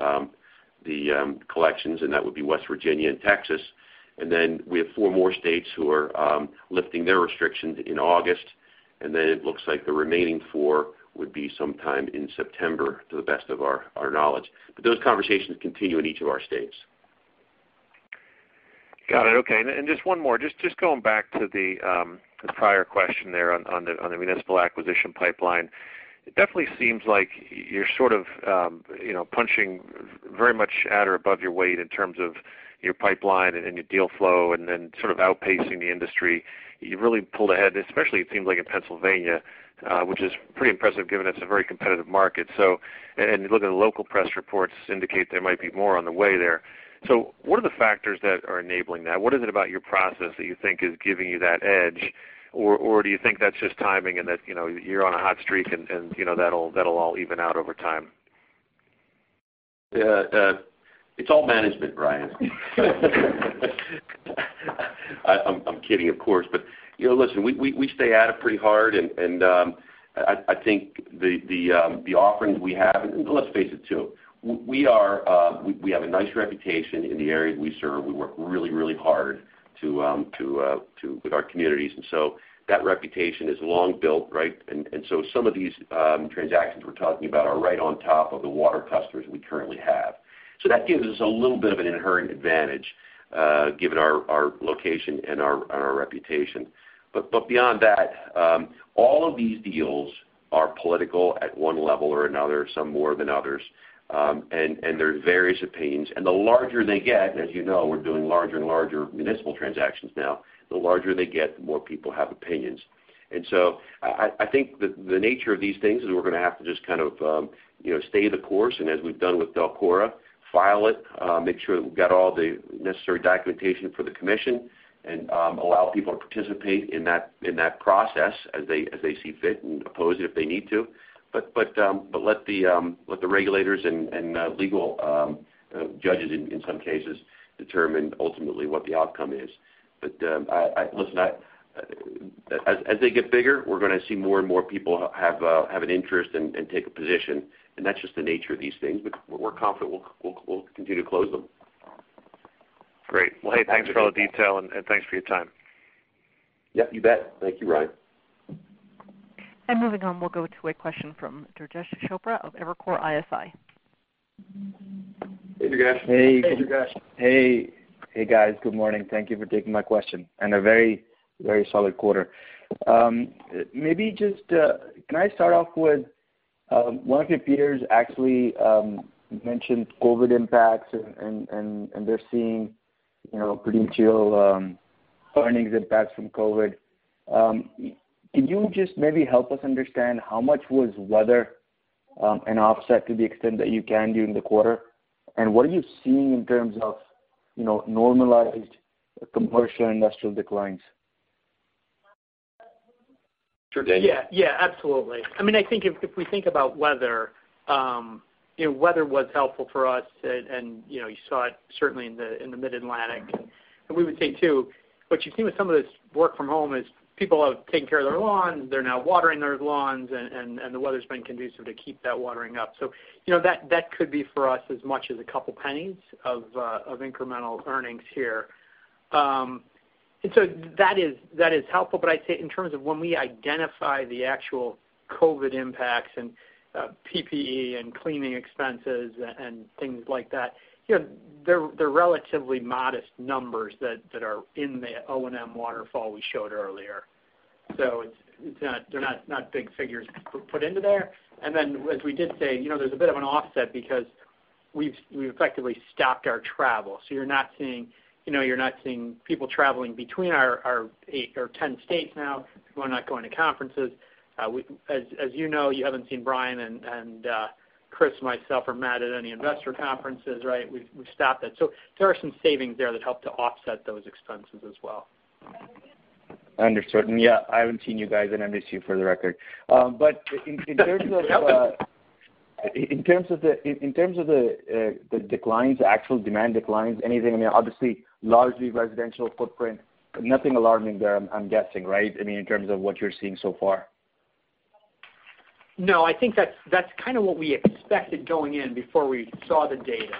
[SPEAKER 3] the collections, and that would be West Virginia and Texas. Then we have four more states who are lifting their restrictions in August, then it looks like the remaining four would be sometime in September, to the best of our knowledge. Those conversations continue in each of our states.
[SPEAKER 7] Got it. Okay. Just one more. Just going back to the prior question there on the municipal acquisition pipeline. It definitely seems like you're sort of punching very much at or above your weight in terms of your pipeline and your deal flow and then sort of outpacing the industry. You've really pulled ahead, especially it seems like in Pennsylvania, which is pretty impressive given it's a very competitive market. Looking at local press reports indicate there might be more on the way there. What are the factors that are enabling that? What is it about your process that you think is giving you that edge? Do you think that's just timing and that you're on a hot streak and that'll all even out over time?
[SPEAKER 3] It's all management, Ryan. I'm kidding, of course. Listen, we stay at it pretty hard, and I think the offerings we have, and let's face it, too, we have a nice reputation in the areas we serve. We work really hard with our communities, that reputation is long built, right? Some of these transactions we're talking about are right on top of the water customers we currently have. That gives us a little bit of an inherent advantage, given our location and our reputation. Beyond that, all of these deals are political at one level or another, some more than others, and there are various opinions. The larger they get, as you know, we're doing larger and larger municipal transactions now. The larger they get, the more people have opinions. I think the nature of these things is we're going to have to just kind of stay the course, and as we've done with DELCORA, file it, make sure that we've got all the necessary documentation for the Commission, and allow people to participate in that process as they see fit and oppose it if they need to. Let the regulators and legal judges, in some cases, determine ultimately what the outcome is. Listen, as they get bigger, we're going to see more and more people have an interest and take a position, and that's just the nature of these things. We're confident we'll continue to close them.
[SPEAKER 7] Great. Well, hey, thanks for all the detail and thanks for your time.
[SPEAKER 3] Yep, you bet. Thank you, Ryan.
[SPEAKER 1] Moving on, we'll go to a question from Durgesh Chopra of Evercore ISI.
[SPEAKER 8] Hey, guys.
[SPEAKER 3] Hey.
[SPEAKER 8] Hey, guys. Good morning. Thank you for taking my question. A very solid quarter. Maybe just, can I start off with one of your peers actually mentioned COVID impacts, and they're seeing pretty chill earnings impacts from COVID. Can you just maybe help us understand how much was weather an offset to the extent that you can during the quarter? What are you seeing in terms of normalized commercial investor declines?
[SPEAKER 4] Durgesh. Absolutely. I think if we think about weather was helpful for us, you saw it certainly in the mid-Atlantic. We would say, too, what you see with some of this work from home is people are taking care of their lawns, they're now watering their lawns, and the weather's been conducive to keep that watering up. That could be for us as much as a couple of pennies of incremental earnings here. That is helpful, but I'd say in terms of when we identify the actual COVID impacts and PPE and cleaning expenses and things like that, they're relatively modest numbers that are in the O&M waterfall we showed earlier. They're not big figures put into there. As we did say, there's a bit of an offset because we've effectively stopped our travel. You're not seeing people traveling between our 10 states now. People are not going to conferences. As you know, you haven't seen Brian and Chris, myself or Matt at any investor conferences, right? We've stopped that. There are some savings there that help to offset those expenses as well.
[SPEAKER 8] Understood. Yeah, I haven't seen you guys and I miss you, for the record. In terms of the declines, the actual demand declines, anything, obviously, largely residential footprint, nothing alarming there, I'm guessing, right? In terms of what you're seeing so far.
[SPEAKER 4] No, I think that's kind of what we expected going in before we saw the data.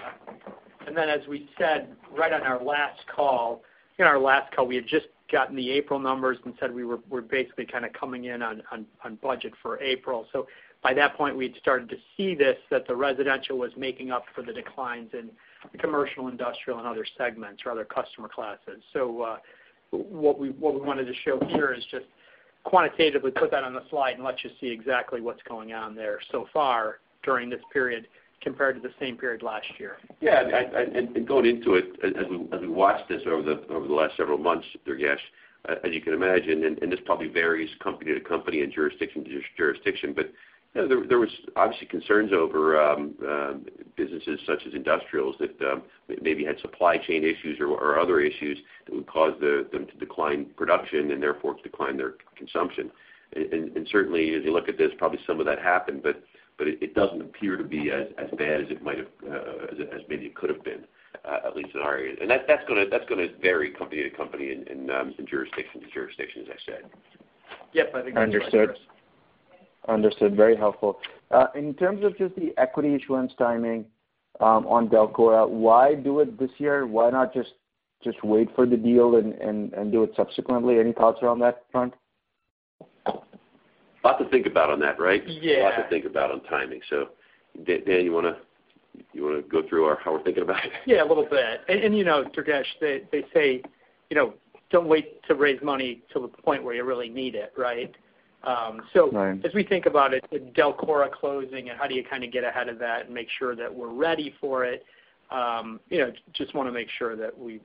[SPEAKER 4] As we said right on our last call, we had just gotten the April numbers and said we were basically kind of coming in on budget for April. By that point, we had started to see this, that the residential was making up for the declines in the commercial, industrial, and other segments or other customer classes. What we wanted to show here is just quantitatively put that on the slide and let you see exactly what's going on there so far during this period compared to the same period last year.
[SPEAKER 3] Yeah. Going into it, as we watched this over the last several months, Durgesh, as you can imagine, and this probably varies company to company and jurisdiction to jurisdiction, but there was obviously concerns over businesses such as industrials that maybe had supply chain issues or other issues that would cause them to decline production and therefore decline their consumption. Certainly as you look at this, probably some of that happened, but it doesn't appear to be as bad as maybe it could have been, at least in our area. That's going to vary company to company and jurisdiction to jurisdiction, as I said.
[SPEAKER 4] Yep. I think that's right, Chris.
[SPEAKER 8] Understood. Very helpful. In terms of just the equity issuance timing on DELCORA, why do it this year? Why not just wait for the deal and do it subsequently? Any thoughts around that front?
[SPEAKER 3] A lot to think about on that, right?
[SPEAKER 8] Yeah.
[SPEAKER 3] A lot to think about on timing. Dan, you want to go through how we're thinking about it?
[SPEAKER 4] Yeah, a little bit. Durgesh, they say, don't wait to raise money till the point where you really need it, right?
[SPEAKER 8] Right.
[SPEAKER 4] As we think about it, with DELCORA closing, and how do you kind of get ahead of that and make sure that we're ready for it? Just want to make sure that we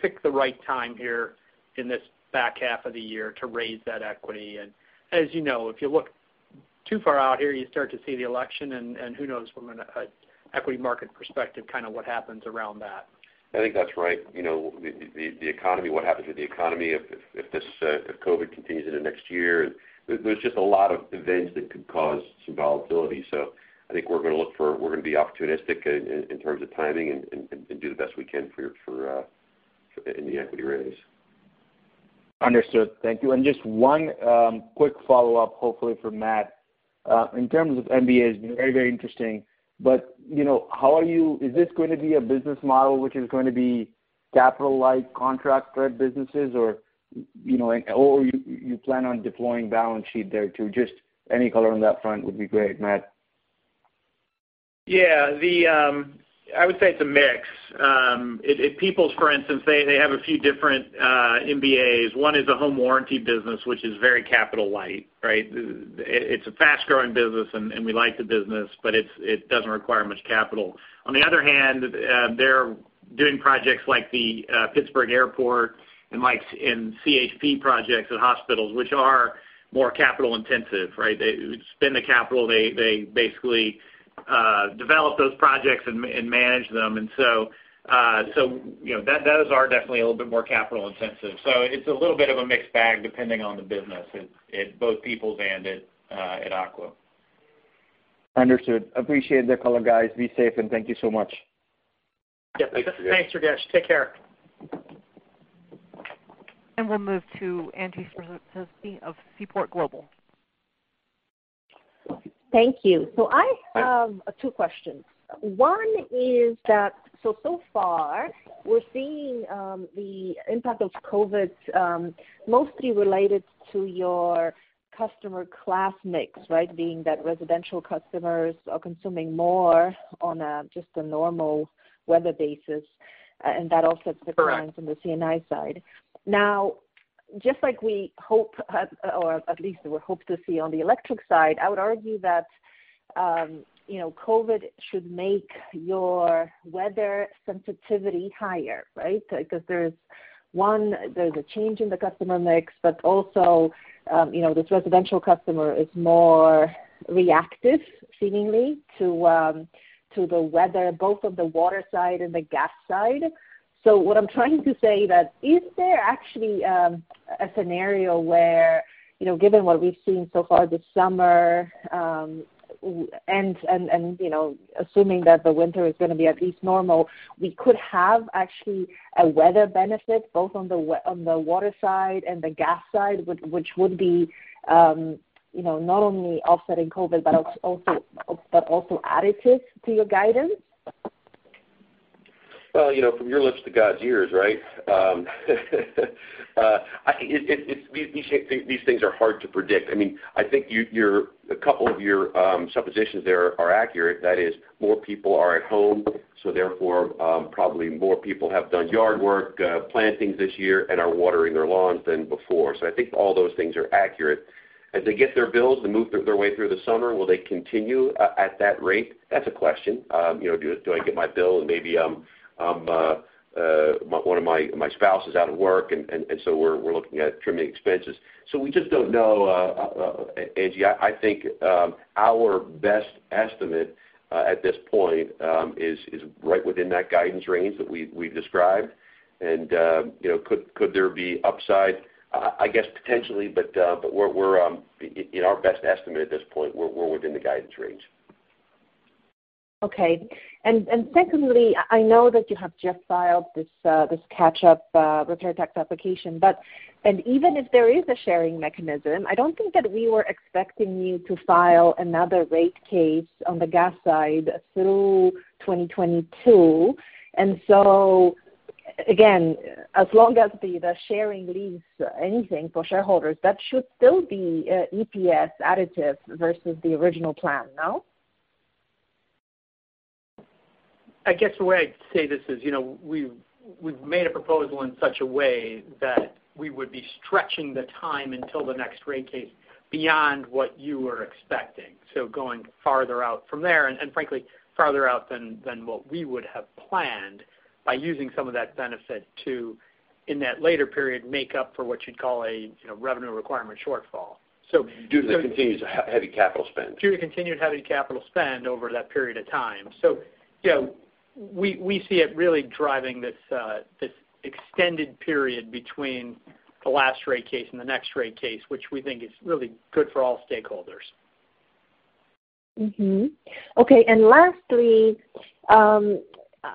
[SPEAKER 4] pick the right time here in this back half of the year to raise that equity. As you know, if you look too far out here, you start to see the election, and who knows from an equity market perspective kind of what happens around that.
[SPEAKER 3] I think that's right. The economy, what happens with the economy if COVID continues into next year? There's just a lot of events that could cause some volatility. I think we're going to be opportunistic in terms of timing and do the best we can in the equity raise.
[SPEAKER 8] Understood. Thank you. Just one quick follow-up, hopefully for Matt. In terms of MBAs, very interesting, but is this going to be a business model which is going to be capital-light contract-led businesses, or you plan on deploying balance sheet there too? Just any color on that front would be great, Matt.
[SPEAKER 5] Yeah. I would say it's a mix. At Peoples, for instance, they have a few different MBAs. One is a home warranty business, which is very capital light, right? It's a fast-growing business, and we like the business, but it doesn't require much capital. On the other hand, they're doing projects like the Pittsburgh Airport and CHP projects at hospitals, which are more capital intensive, right? They spend the capital. They basically develop those projects and manage them. Those are definitely a little bit more capital intensive. It's a little bit of a mixed bag depending on the business at both Peoples and at Aqua.
[SPEAKER 8] Understood. Appreciate the color, guys. Be safe, and thank you so much.
[SPEAKER 4] Yep.
[SPEAKER 3] Thank you, Durgesh.
[SPEAKER 4] Thanks, Durgesh. Take care.
[SPEAKER 1] We'll move to Angie Storozynski of Seaport Global.
[SPEAKER 9] Thank you. I have two questions. One is that so far we're seeing the impact of COVID mostly related to your customer class mix, right? Being that residential customers are consuming more on just a normal weather basis, and that offsets.
[SPEAKER 3] Correct.
[SPEAKER 9] Declines in the C&I side. Just like we hope, or at least we hope to see on the electric side, I would argue that COVID should make your weather sensitivity higher, right? There's a change in the customer mix, but also this residential customer is more reactive seemingly to the weather, both on the water side and the gas side. What I'm trying to say that, is there actually a scenario where, given what we've seen so far this summer, and assuming that the winter is going to be at least normal, we could have actually a weather benefit both on the water side and the gas side, which would be not only offsetting COVID, but also additive to your guidance?
[SPEAKER 3] Well, from your lips to God's ears, right? These things are hard to predict. I think a couple of your suppositions there are accurate. That is, more people are at home, therefore probably more people have done yard work, plantings this year and are watering their lawns than before. I think all those things are accurate. As they get their bills, they move their way through the summer, will they continue at that rate? That's a question. Do I get my bill and maybe one of my spouse is out of work, we're looking at trimming expenses. We just don't know, Angie. I think our best estimate at this point is right within that guidance range that we've described. Could there be upside? I guess potentially, in our best estimate at this point, we're within the guidance range.
[SPEAKER 9] Okay. Secondly, I know that you have just filed this catch-up repair tax application, and even if there is a sharing mechanism, I don't think that we were expecting you to file another rate case on the gas side through 2022. Again, as long as the sharing leaves anything for shareholders, that should still be EPS additive versus the original plan, no?
[SPEAKER 4] I guess the way I'd say this is, we've made a proposal in such a way that we would be stretching the time until the next rate case beyond what you were expecting. Going farther out from there, and frankly, farther out than what we would have planned by using some of that benefit to, in that later period, make up for what you'd call a revenue requirement shortfall.
[SPEAKER 3] Due to the continued heavy capital spend.
[SPEAKER 4] Due to continued heavy capital spend over that period of time. We see it really driving this extended period between the last rate case and the next rate case, which we think is really good for all stakeholders.
[SPEAKER 9] Okay. Lastly,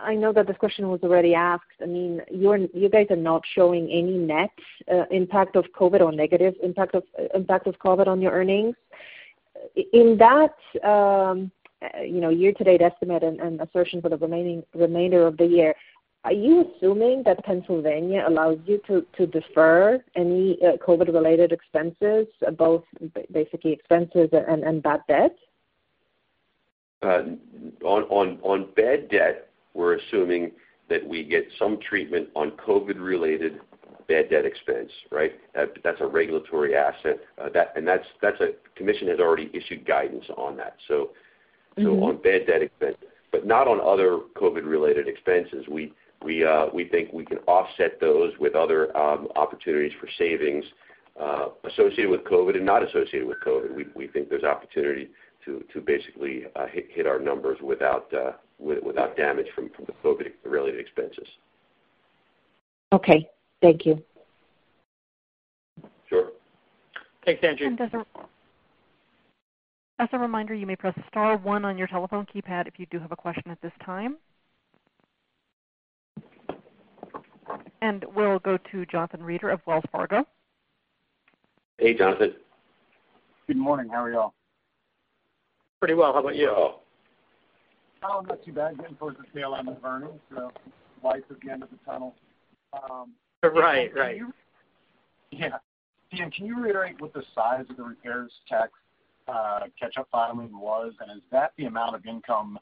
[SPEAKER 9] I know that this question was already asked. You guys are not showing any negative impact of COVID on your earnings. In that year-to-date estimate and assertion for the remainder of the year, are you assuming that Pennsylvania allows you to defer any COVID-related expenses, both basically expenses and bad debt?
[SPEAKER 3] On bad debt, we're assuming that we get some treatment on COVID-related bad debt expense, right? That's a regulatory asset. The commission has already issued guidance on that. On bad debt expense, but not on other COVID-related expenses. We think we can offset those with other opportunities for savings, associated with COVID and not associated with COVID. We think there's opportunity to basically hit our numbers without damage from the COVID-related expenses.
[SPEAKER 9] Okay. Thank you.
[SPEAKER 3] Sure.
[SPEAKER 4] Thanks, Angie.
[SPEAKER 1] As a reminder, you may press star one on your telephone keypad if you do have a question at this time. We'll go to Jonathan Reeder of Wells Fargo.
[SPEAKER 3] Hey, Jonathan.
[SPEAKER 10] Good morning. How are y'all?
[SPEAKER 4] Pretty well. How about you all?
[SPEAKER 10] Oh, not too bad. Getting towards the tail end of earnings, so light at the end of the tunnel.
[SPEAKER 4] Right.
[SPEAKER 10] Yeah. Dan, can you reiterate what the size of the repairs tax catch-up filing was, and is that the amount of income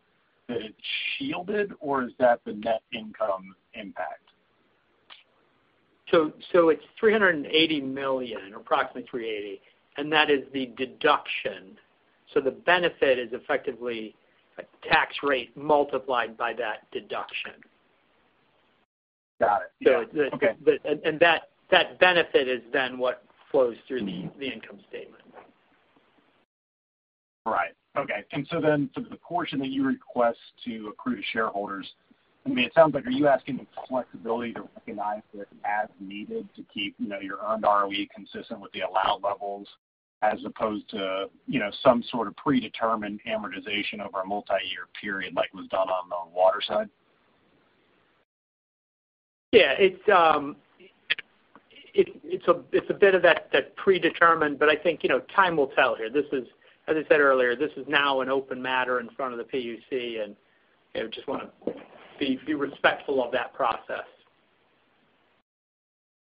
[SPEAKER 10] that it shielded, or is that the net income impact?
[SPEAKER 4] It's $380 million, approximately $380, and that is the deduction. The benefit is effectively a tax rate multiplied by that deduction.
[SPEAKER 10] Got it. Yeah. Okay.
[SPEAKER 4] That benefit is then what flows through the income statement.
[SPEAKER 10] Right. Okay. For the portion that you request to accrue to shareholders, it sounds like, are you asking the flexibility to recognize this as needed to keep your earned ROE consistent with the allowed levels as opposed to some sort of predetermined amortization over a multi-year period, like was done on the water side?
[SPEAKER 4] Yeah. It's a bit of that predetermined. I think, time will tell here. As I said earlier, this is now an open matter in front of the PUC. Just want to be respectful of that process.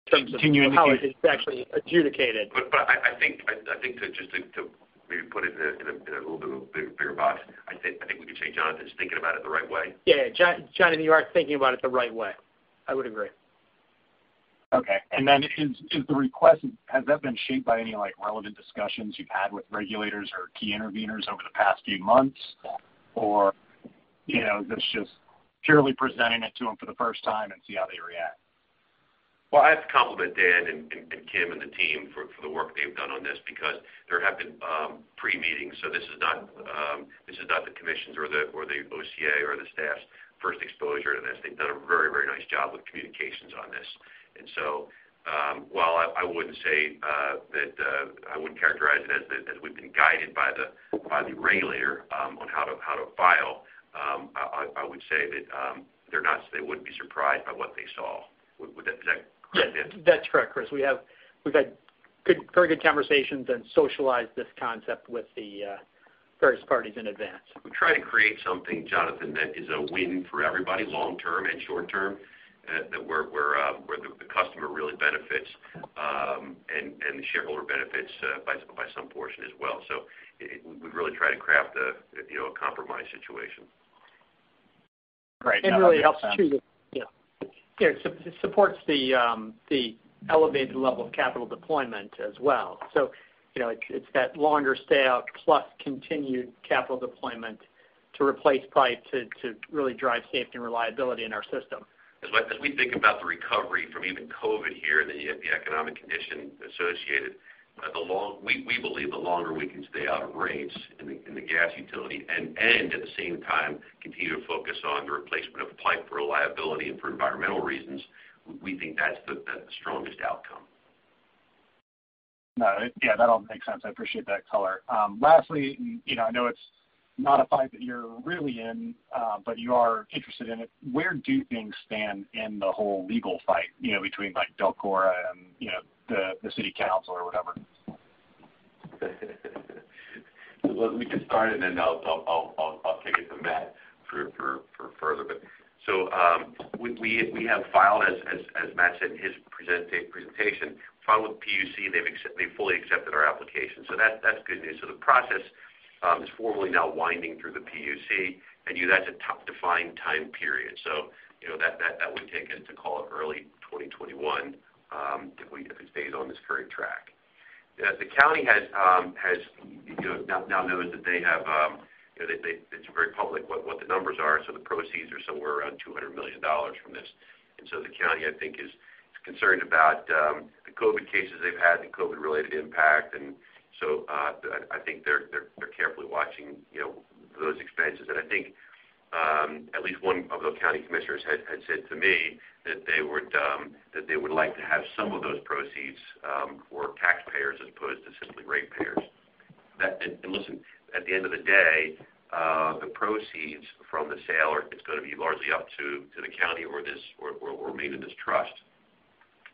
[SPEAKER 3] Continue-
[SPEAKER 4] How it is actually adjudicated.
[SPEAKER 3] I think to maybe put it in a little bit of a bigger box, I think we can say Jonathan's thinking about it the right way.
[SPEAKER 4] Yeah. Jonathan, you are thinking about it the right way. I would agree.
[SPEAKER 10] Okay. The request, has that been shaped by any relevant discussions you've had with regulators or key interveners over the past few months? Is this just purely presenting it to them for the first time and see how they react?
[SPEAKER 3] Well, I have to compliment Dan and Kim and the team for the work they've done on this because there have been pre-meetings, so this is not the commission's or the OCA or the staff's first exposure to this. They've done a very nice job with communications on this. So, while I wouldn't characterize it as we've been guided by the regulator on how to file, I would say that they wouldn't be surprised by what they saw. Does that correct, Dan?
[SPEAKER 4] Yeah. That's correct, Chris. We've had very good conversations and socialized this concept with the various parties in advance.
[SPEAKER 3] We try to create something, Jonathan, that is a win for everybody, long term and short term, where the customer really benefits, and the shareholder benefits by some portion as well. We really try to craft a compromise situation.
[SPEAKER 10] Right. No, that makes sense.
[SPEAKER 4] It really helps too. Yeah. It supports the elevated level of capital deployment as well. It's that longer stay out plus continued capital deployment to replace pipe to really drive safety and reliability in our system.
[SPEAKER 3] As we think about the recovery from even COVID here, and then you have the economic condition associated, we believe the longer we can stay out of rates in the gas utility and at the same time continue to focus on the replacement of pipe for reliability and for environmental reasons, we think that's the strongest outcome.
[SPEAKER 10] No, yeah, that all makes sense. I appreciate that color. Lastly, I know it's not a fight that you're really in, but you are interested in it. Where do things stand in the whole legal fight, between DELCORA and the city council or whatever?
[SPEAKER 3] Well, we can start it and then I'll take it to Matt for further. We have filed, as Matt said in his presentation, filed with PUC. They've fully accepted our application, so that's good news. The process is formally now winding through the PUC, and that's a defined time period. That would take us to call it early 2021, if it stays on this current track. The county now knows that it's very public what the numbers are. The proceeds are somewhere around $200 million from this. The county, I think is concerned about the COVID cases they've had, the COVID related impact, and so I think they're carefully watching those expenses. I think at least one of those county commissioners had said to me that they would like to have some of those proceeds for taxpayers as opposed to simply ratepayers. Listen, at the end of the day, the proceeds from the sale are just going to be largely up to the county or remain in this trust.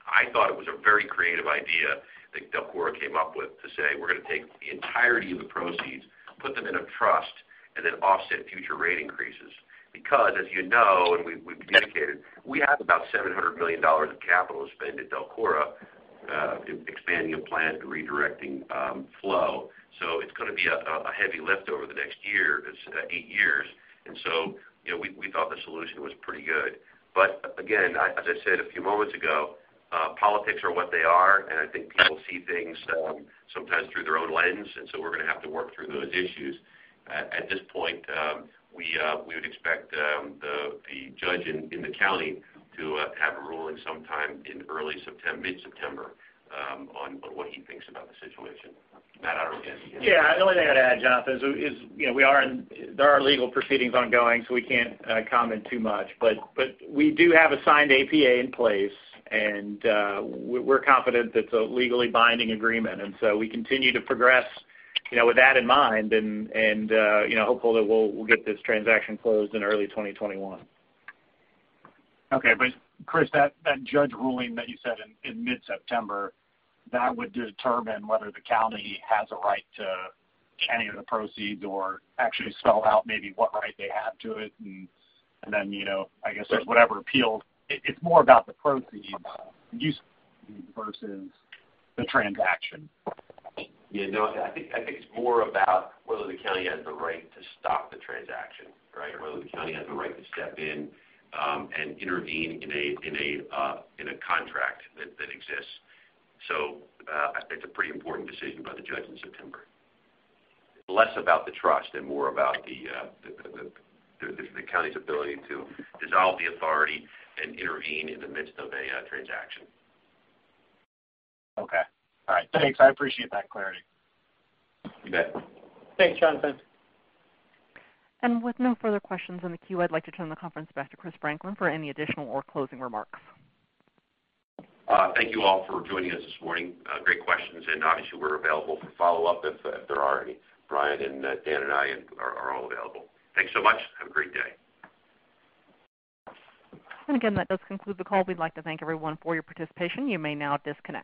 [SPEAKER 3] I thought it was a very creative idea that DELCORA came up with to say, "We're going to take the entirety of the proceeds, put them in a trust, and then offset future rate increases." As you know, and we've communicated, we have about $700 million of capital to spend at DELCORA expanding a plant and redirecting flow. It's going to be a heavy lift over the next eight years. We thought the solution was pretty good. Again, as I said a few moments ago, politics are what they are, and I think people see things sometimes through their own lens, and so we're going to have to work through those issues. At this point, we would expect the judge in the county to have a ruling sometime in early mid-September on what he thinks about the situation. Matt, I don't know if you have anything to add.
[SPEAKER 5] Yeah. The only thing I'd add, Jonathan, is there are legal proceedings ongoing, so we can't comment too much. We do have a signed APA in place, and we're confident it's a legally binding agreement. We continue to progress with that in mind and hopeful that we'll get this transaction closed in early 2021.
[SPEAKER 10] Okay. Chris, that judge ruling that you said in mid-September, that would determine whether the county has a right to any of the proceeds or actually spell out maybe what right they have to it, and then I guess whatever appeals. It's more about the proceeds versus the transaction.
[SPEAKER 3] Yeah, no, I think it's more about whether the county has the right to stop the transaction, right? Whether the county has the right to step in and intervene in a contract that exists. It's a pretty important decision by the judge in September. Less about the trust and more about the county's ability to dissolve the authority and intervene in the midst of a transaction.
[SPEAKER 10] Okay. All right. Thanks. I appreciate that clarity.
[SPEAKER 3] You bet.
[SPEAKER 5] Thanks, Jonathan.
[SPEAKER 1] With no further questions in the queue, I'd like to turn the conference back to Chris Franklin for any additional or closing remarks.
[SPEAKER 3] Thank you all for joining us this morning. Great questions, and obviously, we're available for follow-up if there are any. Brian and Dan and I are all available. Thanks so much. Have a great day.
[SPEAKER 1] Again, that does conclude the call. We'd like to thank everyone for your participation. You may now disconnect.